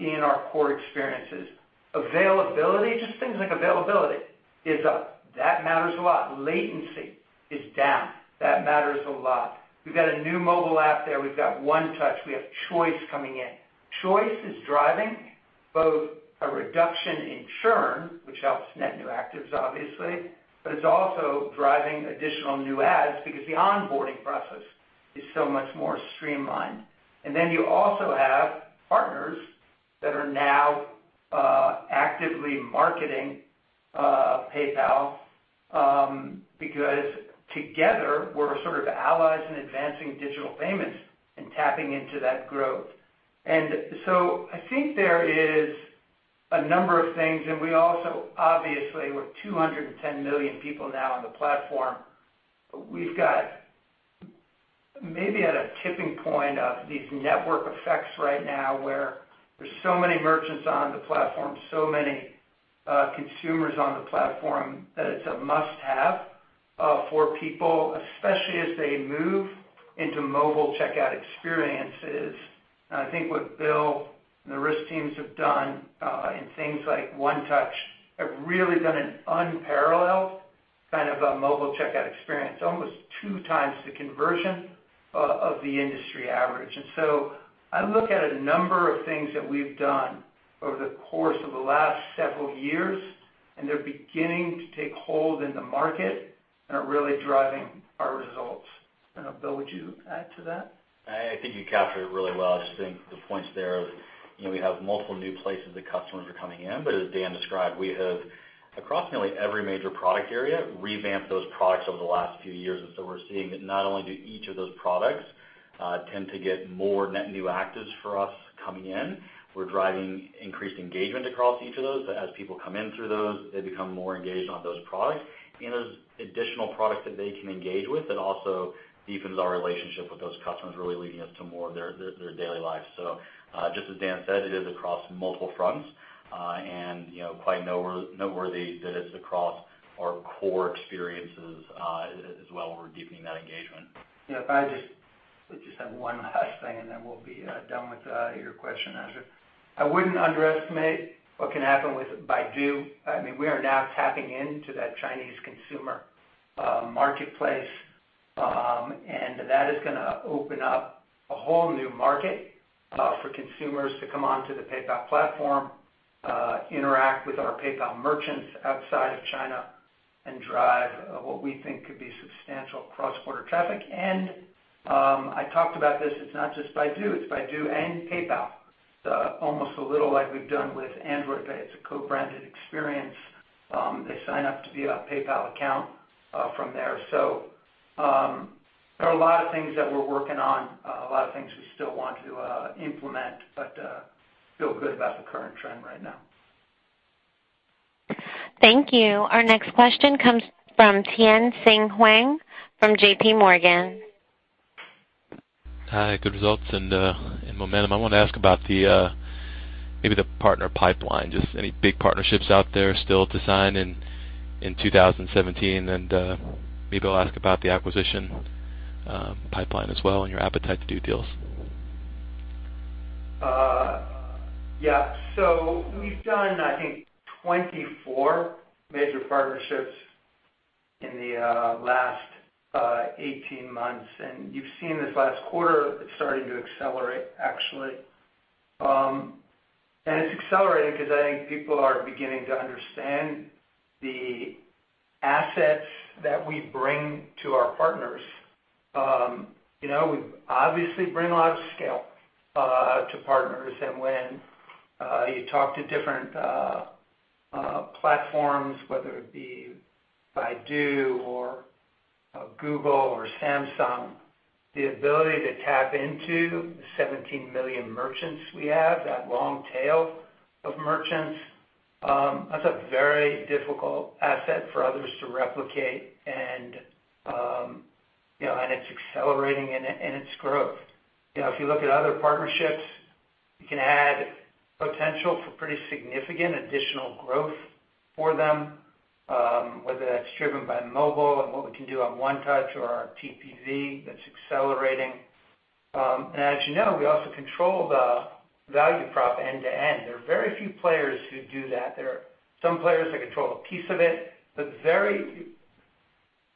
in our core experiences. Availability, just things like availability is up. That matters a lot. Latency is down. That matters a lot. We've got a new mobile app there. We've got One Touch. We have Choice coming in. Choice is driving both a reduction in churn, which helps net new actives, obviously, but it's also driving additional new adds because the onboarding process is so much more streamlined. You also have partners that are now actively marketing PayPal, because together we're sort of allies in advancing digital payments and tapping into that growth. I think there is a number of things, and we also obviously, with 210 million people now on the platform, we've got Maybe at a tipping point of these network effects right now, where there's so many merchants on the platform, so many consumers on the platform that it's a must-have for people, especially as they move into mobile checkout experiences. I think what Bill and the risk teams have done in things like One Touch have really done an unparalleled kind of a mobile checkout experience, almost two times the conversion of the industry average. I look at a number of things that we've done over the course of the last several years, and they're beginning to take hold in the market and are really driving our results. Bill, would you add to that? I think you captured it really well. I just think the points there of we have multiple new places that customers are coming in. As Dan described, we have, across nearly every major product area, revamped those products over the last few years. We're seeing that not only do each of those products tend to get more net new actives for us coming in, we're driving increased engagement across each of those. As people come in through those, they become more engaged on those products and those additional products that they can engage with. It also deepens our relationship with those customers, really leading us to more of their daily lives. Just as Dan said, it is across multiple fronts. Quite noteworthy that it's across our core experiences as well. We're deepening that engagement. If I just have one last thing, then we'll be done with your question, Ashwin. I wouldn't underestimate what can happen with Baidu. We are now tapping into that Chinese consumer marketplace, and that is gonna open up a whole new market for consumers to come onto the PayPal platform, interact with our PayPal merchants outside of China, and drive what we think could be substantial cross-border traffic. I talked about this, it's not just Baidu, it's Baidu and PayPal. Almost a little like we've done with Android Pay. It's a co-branded experience. They sign up to be a PayPal account from there. There are a lot of things that we're working on, a lot of things we still want to implement, but feel good about the current trend right now. Thank you. Our next question comes from Tien-Tsin Huang from J.P. Morgan. Hi. Good results and momentum. I want to ask about maybe the partner pipeline. Just any big partnerships out there still to sign in 2017? Maybe I'll ask about the acquisition pipeline as well, and your appetite to do deals. Yeah. We've done, I think, 24 major partnerships in the last 18 months, and you've seen this last quarter, it's starting to accelerate, actually. It's accelerating because I think people are beginning to understand the assets that we bring to our partners. We obviously bring a lot of scale to partners. When you talk to different platforms, whether it be Baidu or Google or Samsung, the ability to tap into the 17 million merchants we have, that long tail of merchants, that's a very difficult asset for others to replicate. It's accelerating in its growth. If you look at other partnerships, you can add potential for pretty significant additional growth for them, whether that's driven by mobile and what we can do on One Touch or our TPV, that's accelerating. As you know, we also control the value prop end to end. There are very few players who do that. There are some players that control a piece of it, but very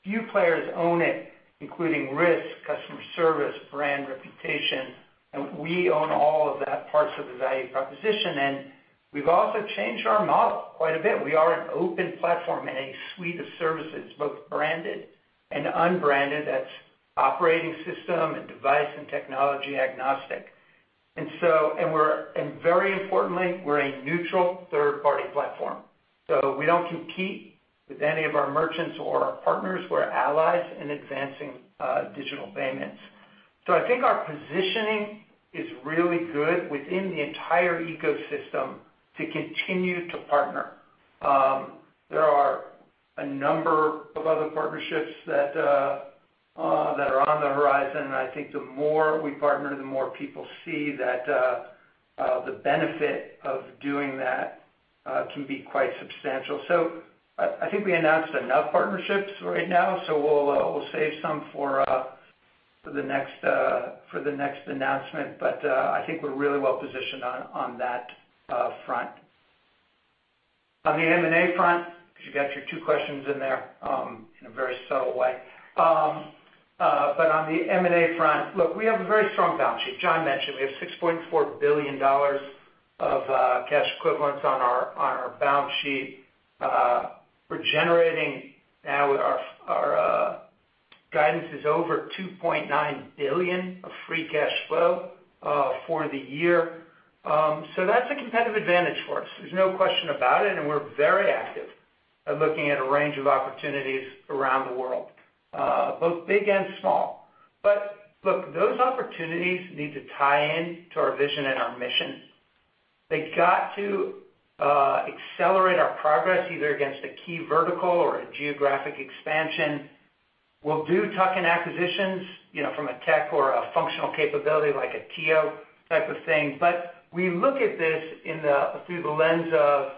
few players own it, including risk, customer service, brand reputation, and we own all of that parts of the value proposition. We've also changed our model quite a bit. We are an open platform and a suite of services, both branded and unbranded, that's operating system and device and technology agnostic. Very importantly, we're a neutral third-party platform. We don't compete with any of our merchants or our partners. We're allies in advancing digital payments. I think our positioning is really good within the entire ecosystem to continue to partner. There are a number of other partnerships that are on the horizon, and I think the more we partner, the more people see that the benefit of doing that can be quite substantial. I think we announced enough partnerships right now, we'll save some for the next announcement. I think we're really well-positioned on that front. On the M&A front, because you got your two questions in there in a very subtle way. On the M&A front, look, we have a very strong balance sheet. John mentioned we have $6.4 billion of cash equivalents on our balance sheet. We're generating now with our guidance is over $2.9 billion of free cash flow for the year. That's a competitive advantage for us. There's no question about it, and we're very active at looking at a range of opportunities around the world, both big and small. Look, those opportunities need to tie in to our vision and our mission. They've got to accelerate our progress either against a key vertical or a geographic expansion. We'll do tuck-in acquisitions from a tech or a functional capability, like a TIO type of thing. We look at this through the lens of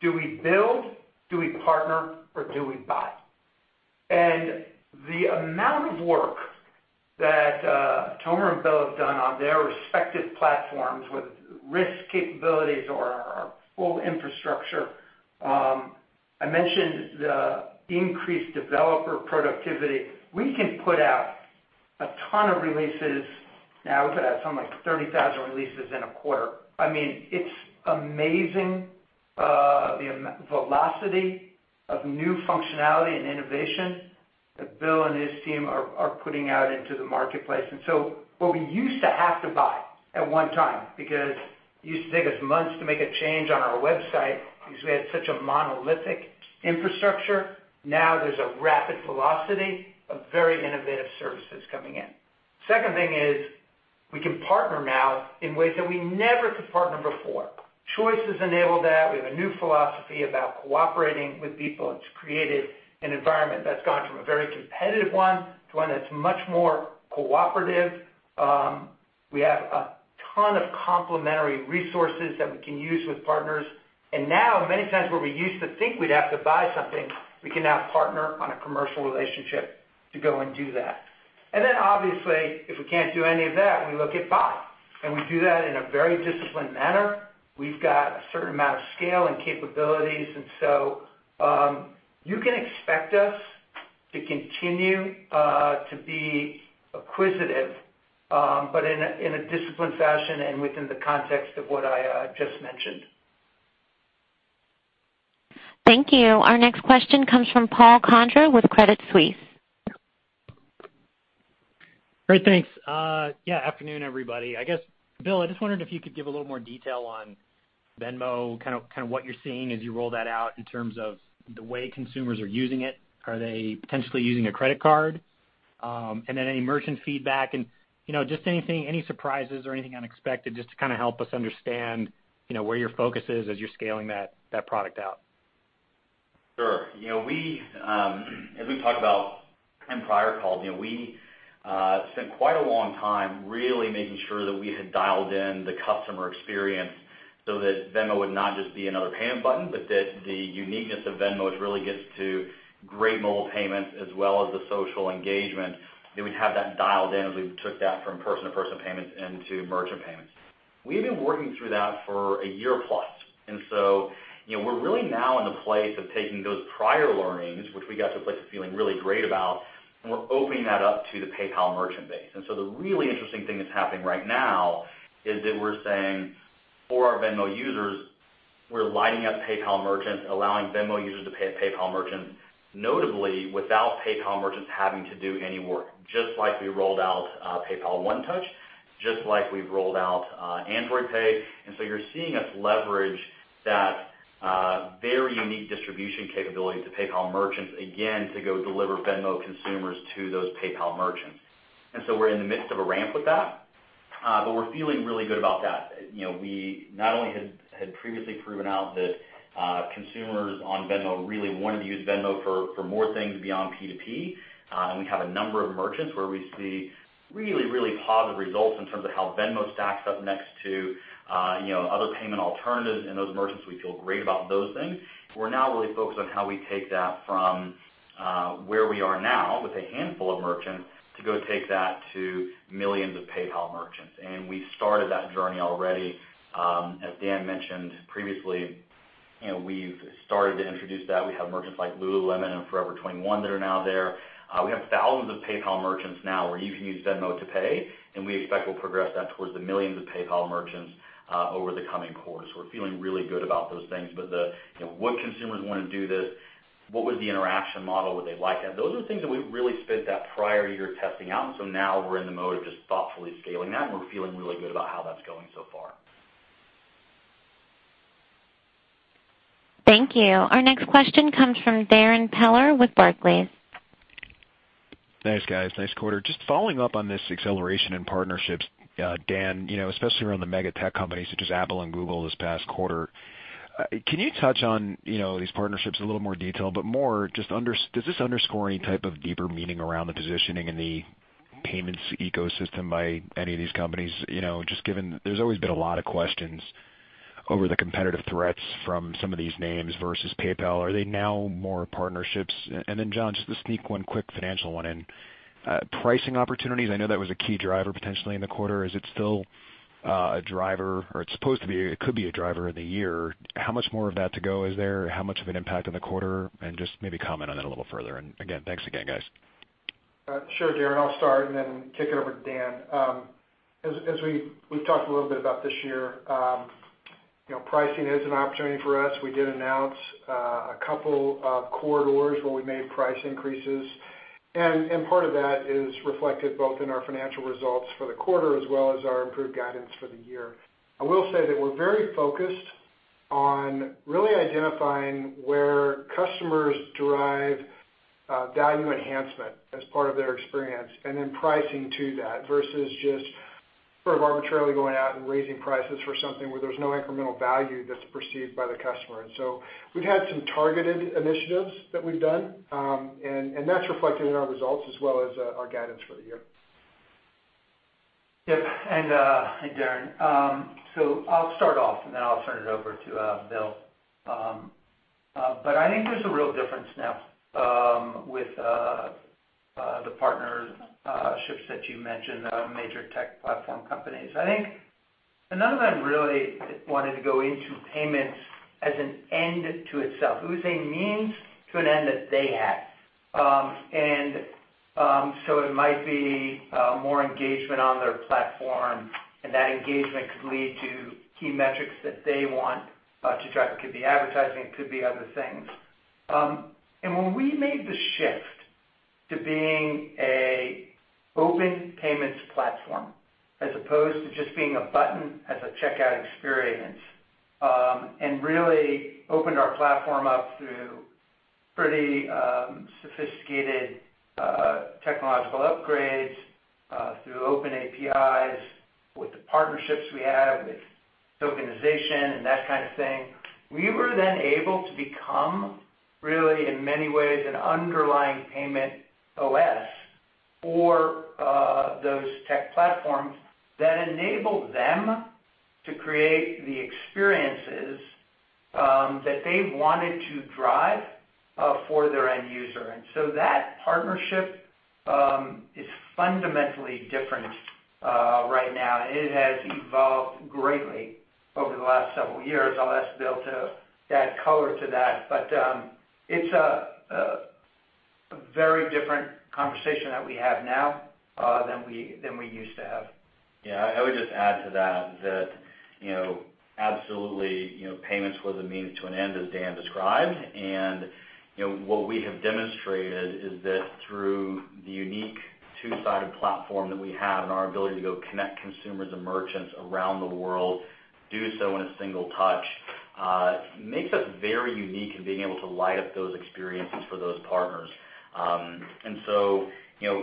do we build, do we partner, or do we buy? The amount of work that Tomer and Bill have done on their respective platforms with risk capabilities or full infrastructure. I mentioned the increased developer productivity. We can put out a ton of releases now. We put out something like 30,000 releases in a quarter. It's amazing the velocity of new functionality and innovation that Bill and his team are putting out into the marketplace. What we used to have to buy at one time, because it used to take us months to make a change on our website because we had such a monolithic infrastructure. Now there's a rapid velocity of very innovative services coming in. Second thing is we can partner now in ways that we never could partner before. Choice has enabled that. We have a new philosophy about cooperating with people. It's created an environment that's gone from a very competitive one to one that's much more cooperative. We have a ton of complementary resources that we can use with partners. Now many times where we used to think we'd have to buy something, we can now partner on a commercial relationship to go and do that. Obviously, if we can't do any of that, we look at buy, and we do that in a very disciplined manner. We've got a certain amount of scale and capabilities. You can expect us to continue to be acquisitive, but in a disciplined fashion and within the context of what I just mentioned. Thank you. Our next question comes from Paul Condra with Credit Suisse. Great. Thanks. Afternoon, everybody. I guess, Bill, I just wondered if you could give a little more detail on Venmo, kind of what you're seeing as you roll that out in terms of the way consumers are using it. Are they potentially using a credit card? And then any merchant feedback and just any surprises or anything unexpected just to kind of help us understand where your focus is as you're scaling that product out. Sure. As we've talked about in prior calls, we spent quite a long time really making sure that we had dialed in the customer experience so that Venmo would not just be another payment button, but that the uniqueness of Venmo is really gets to great mobile payments as well as the social engagement, that we'd have that dialed in as we took that from person-to-person payments into merchant payments. We have been working through that for a year plus. We're really now in the place of taking those prior learnings, which we got to a place of feeling really great about, and we're opening that up to the PayPal merchant base. The really interesting thing that's happening right now is that we're saying for our Venmo users, we're lighting up PayPal merchants, allowing Venmo users to pay a PayPal merchant, notably without PayPal merchants having to do any work. Just like we rolled out PayPal One Touch, just like we've rolled out Android Pay. You're seeing us leverage that very unique distribution capability to PayPal merchants again to go deliver Venmo consumers to those PayPal merchants. We're in the midst of a ramp with that, but we're feeling really good about that. We not only had previously proven out that consumers on Venmo really wanted to use Venmo for more things beyond P2P. We have a number of merchants where we see really, really positive results in terms of how Venmo stacks up next to other payment alternatives and those merchants, we feel great about those things. We're now really focused on how we take that from where we are now with a handful of merchants to go take that to millions of PayPal merchants. We started that journey already. As Dan mentioned previously, we've started to introduce that. We have merchants like Lululemon and Forever 21 that are now there. We have thousands of PayPal merchants now where you can use Venmo to pay. We expect we'll progress that towards the millions of PayPal merchants over the coming quarters. We're feeling really good about those things. What consumers want to do this, what was the interaction model, would they like it? Those are the things that we really spent that prior year testing out, and so now we're in the mode of just thoughtfully scaling that, and we're feeling really good about how that's going so far. Thank you. Our next question comes from Darrin Peller with Barclays. Thanks, guys. Nice quarter. Just following up on this acceleration in partnerships, Dan, especially around the mega tech companies such as Apple and Google this past quarter, can you touch on these partnerships in a little more detail, but more just, does this underscore any type of deeper meaning around the positioning in the payments ecosystem by any of these companies? Just given there's always been a lot of questions over the competitive threats from some of these names versus PayPal. Are they now more partnerships? John, just to sneak one quick financial one in. Pricing opportunities, I know that was a key driver potentially in the quarter. Is it still a driver, it could be a driver in the year. How much more of that to go is there? How much of an impact in the quarter? Just maybe comment on that a little further. Again, thanks again, guys. Sure, Darrin, I'll start and then kick it over to Dan. As we've talked a little bit about this year, pricing is an opportunity for us. We did announce a couple of corridors where we made price increases, and part of that is reflected both in our financial results for the quarter as well as our improved guidance for the year. I will say that we're very focused on really identifying where customers derive value enhancement as part of their experience, then pricing to that versus just sort of arbitrarily going out and raising prices for something where there's no incremental value that's perceived by the customer. So we've had some targeted initiatives that we've done, and that's reflected in our results as well as our guidance for the year. Yep. Hi, Darrin. I'll start off, then I'll turn it over to Bill. I think there's a real difference now with the partnerships that you mentioned, major tech platform companies. I think none of them really wanted to go into payments as an end to itself. It was a means to an end that they had. It might be more engagement on their platform, and that engagement could lead to key metrics that they want to drive. It could be advertising, it could be other things. When we made the shift to being an open payments platform as opposed to just being a button as a checkout experience, and really opened our platform up through pretty sophisticated technological upgrades, through open APIs, with the partnerships we have, with tokenization and that kind of thing, we were then able to become really, in many ways, an underlying payment OS for those tech platforms that enabled them to create the experiences that they wanted to drive for their end user. That partnership is fundamentally different right now. It has evolved greatly over the last several years. I'll ask Bill to add color to that. It's a very different conversation that we have now than we used to have. Yeah, I would just add to that absolutely, payments was a means to an end, as Dan described. What we have demonstrated is that through the unique two-sided platform that we have and our ability to go connect consumers and merchants around the world, do so in a single touch, makes us very unique in being able to light up those experiences for those partners.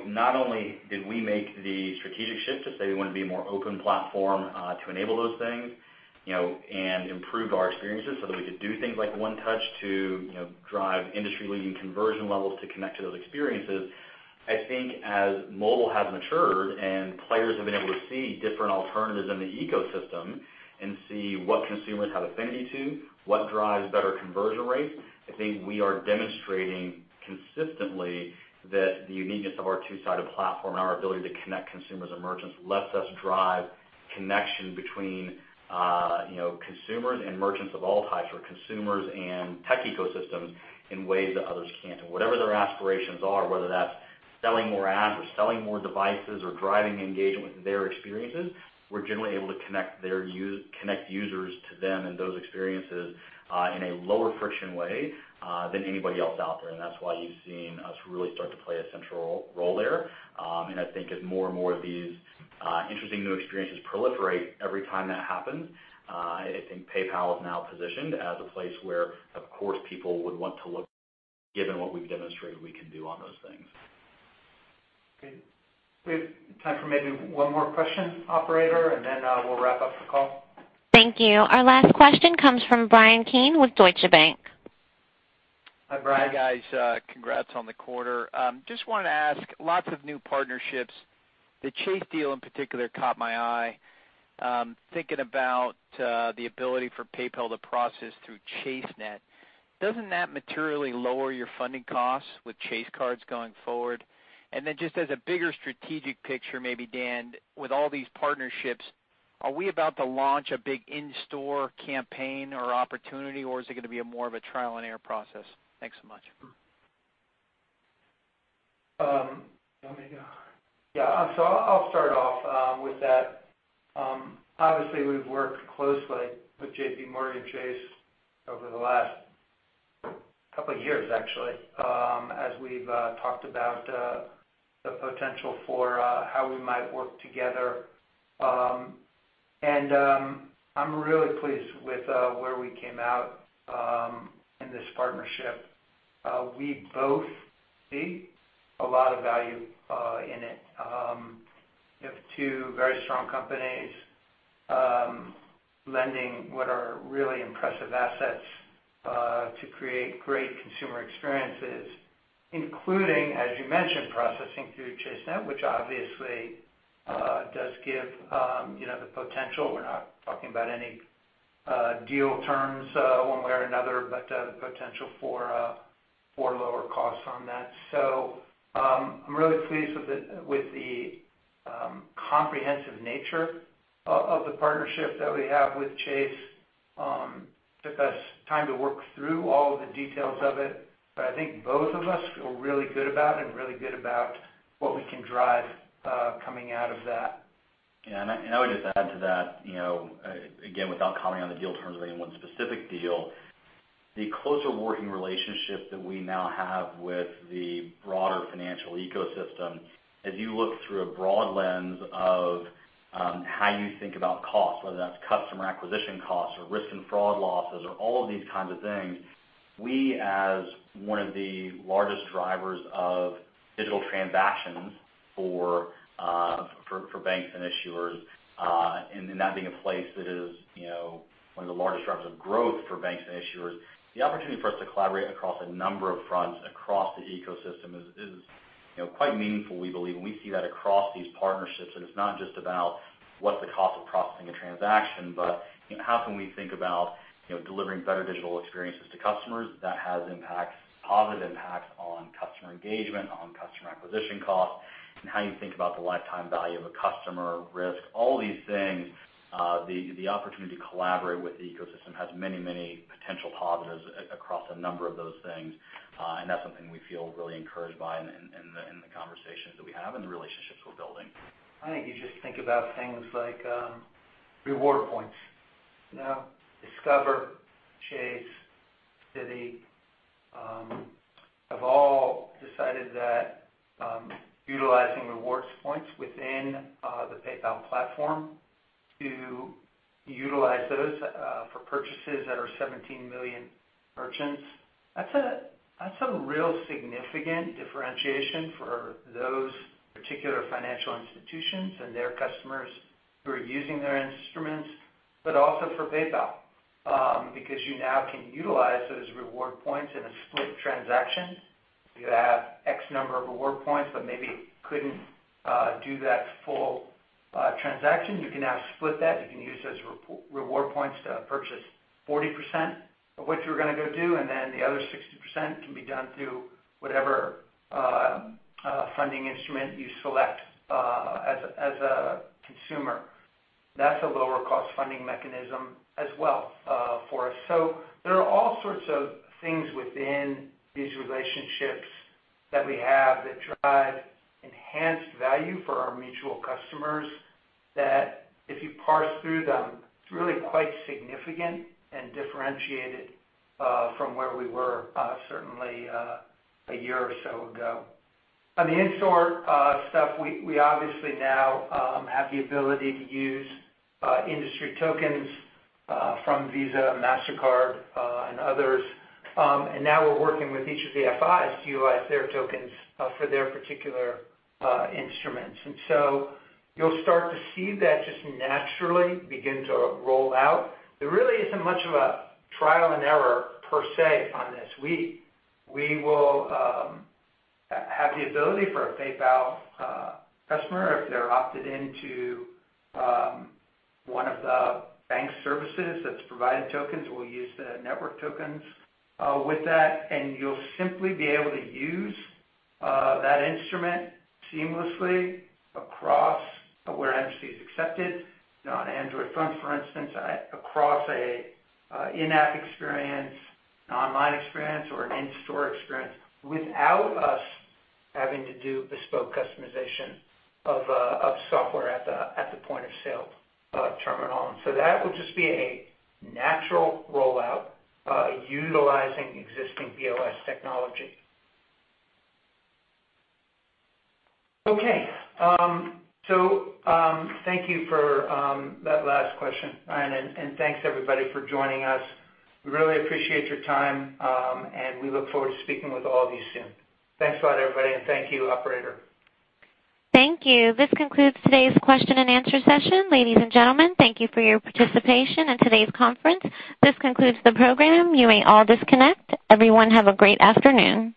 Not only did we make the strategic shift to say we want to be a more open platform to enable those things and improve our experiences so that we could do things like One Touch to drive industry-leading conversion levels to connect to those experiences. I think as mobile has matured and players have been able to see different alternatives in the ecosystem and see what consumers have affinity to, what drives better conversion rates, I think we are demonstrating consistently that the uniqueness of our two-sided platform and our ability to connect consumers and merchants lets us drive connection between consumers and merchants of all types, or consumers and tech ecosystems in ways that others can't. Whatever their aspirations are, whether that's selling more ads or selling more devices or driving engagement with their experiences, we're generally able to connect users to them and those experiences in a lower friction way than anybody else out there. That's why you've seen us really start to play a central role there. I think as more and more of these interesting new experiences proliferate every time that happens, I think PayPal is now positioned as a place where, of course, people would want to look given what we've demonstrated we can do on those things. Okay. We have time for maybe one more question, operator, and then we'll wrap up the call. Thank you. Our last question comes from Bryan Keane with Deutsche Bank. Hi, Bryan. Hi, guys. Congrats on the quarter. Just wanted to ask. Lots of new partnerships. The Chase deal in particular caught my eye. Thinking about the ability for PayPal to process through ChaseNet, doesn't that materially lower your funding costs with Chase cards going forward? Just as a bigger strategic picture, maybe Dan, with all these partnerships, are we about to launch a big in-store campaign or opportunity, or is it going to be more of a trial and error process? Thanks so much. You want me to go? Yeah. I'll start off with that. Obviously, we've worked closely with JPMorgan Chase over the last couple of years, actually, as we've talked about the potential for how we might work together. I'm really pleased with where we came out in this partnership. We both see a lot of value in it. You have two very strong companies lending what are really impressive assets to create great consumer experiences, including, as you mentioned, processing through ChaseNet, which obviously does give the potential, we're not talking about any deal terms one way or another, but the potential for lower costs on that. I'm really pleased with the comprehensive nature of the partnership that we have with Chase. Took us time to work through all of the details of it, I think both of us feel really good about it and really good about what we can drive coming out of that. Yeah, I would just add to that, again, without commenting on the deal terms of any one specific deal. The closer working relationship that we now have with the broader financial ecosystem, as you look through a broad lens of how you think about cost, whether that's customer acquisition costs or risk and fraud losses or all of these kinds of things, we, as one of the largest drivers of digital transactions for banks and issuers, and that being a place that is one of the largest drivers of growth for banks and issuers, the opportunity for us to collaborate across a number of fronts across the ecosystem is quite meaningful, we believe. We see that across these partnerships. It's not just about what's the cost of processing a transaction, but how can we think about delivering better digital experiences to customers that has positive impacts on customer engagement, on customer acquisition costs, and how you think about the lifetime value of a customer, risk, all these things. The opportunity to collaborate with the ecosystem has many potential positives across a number of those things. That's something we feel really encouraged by in the conversations that we have and the relationships we're building. I think you just think about things like reward points. Discover, Chase, Citi, have all decided that utilizing rewards points within the PayPal platform to utilize those for purchases that are 17 million merchants, that's a real significant differentiation for those particular financial institutions and their customers who are using their instruments, but also for PayPal, because you now can utilize those reward points in a split transaction. If you have X number of reward points, but maybe couldn't do that full transaction, you can now split that. You can use those reward points to purchase 40% of what you were going to go do, and then the other 60% can be done through whatever funding instrument you select as a consumer. That's a lower cost funding mechanism as well for us. There are all sorts of things within these relationships that we have that drive enhanced value for our mutual customers, that if you parse through them, it's really quite significant and differentiated from where we were certainly a year or so ago. On the in-store stuff, we obviously now have the ability to use industry tokens from Visa, Mastercard, and others. Now we're working with each of the FIs to utilize their tokens for their particular instruments. You'll start to see that just naturally begin to roll out. There really isn't much of a trial and error per se on this. We will have the ability for a PayPal customer, if they're opted into one of the bank services that's provided tokens, we'll use the network tokens with that, and you'll simply be able to use that instrument seamlessly across where Mastercard is accepted on Android phones, for instance, across an in-app experience, an online experience, or an in-store experience without us having to do bespoke customization of software at the point-of-sale terminal. That will just be a natural rollout utilizing existing POS technology. Okay. Thank you for that last question, Bryan, and thanks everybody for joining us. We really appreciate your time, and we look forward to speaking with all of you soon. Thanks a lot, everybody, and thank you, operator. Thank you. This concludes today's question and answer session. Ladies and gentlemen, thank you for your participation in today's conference. This concludes the program. You may all disconnect. Everyone have a great afternoon.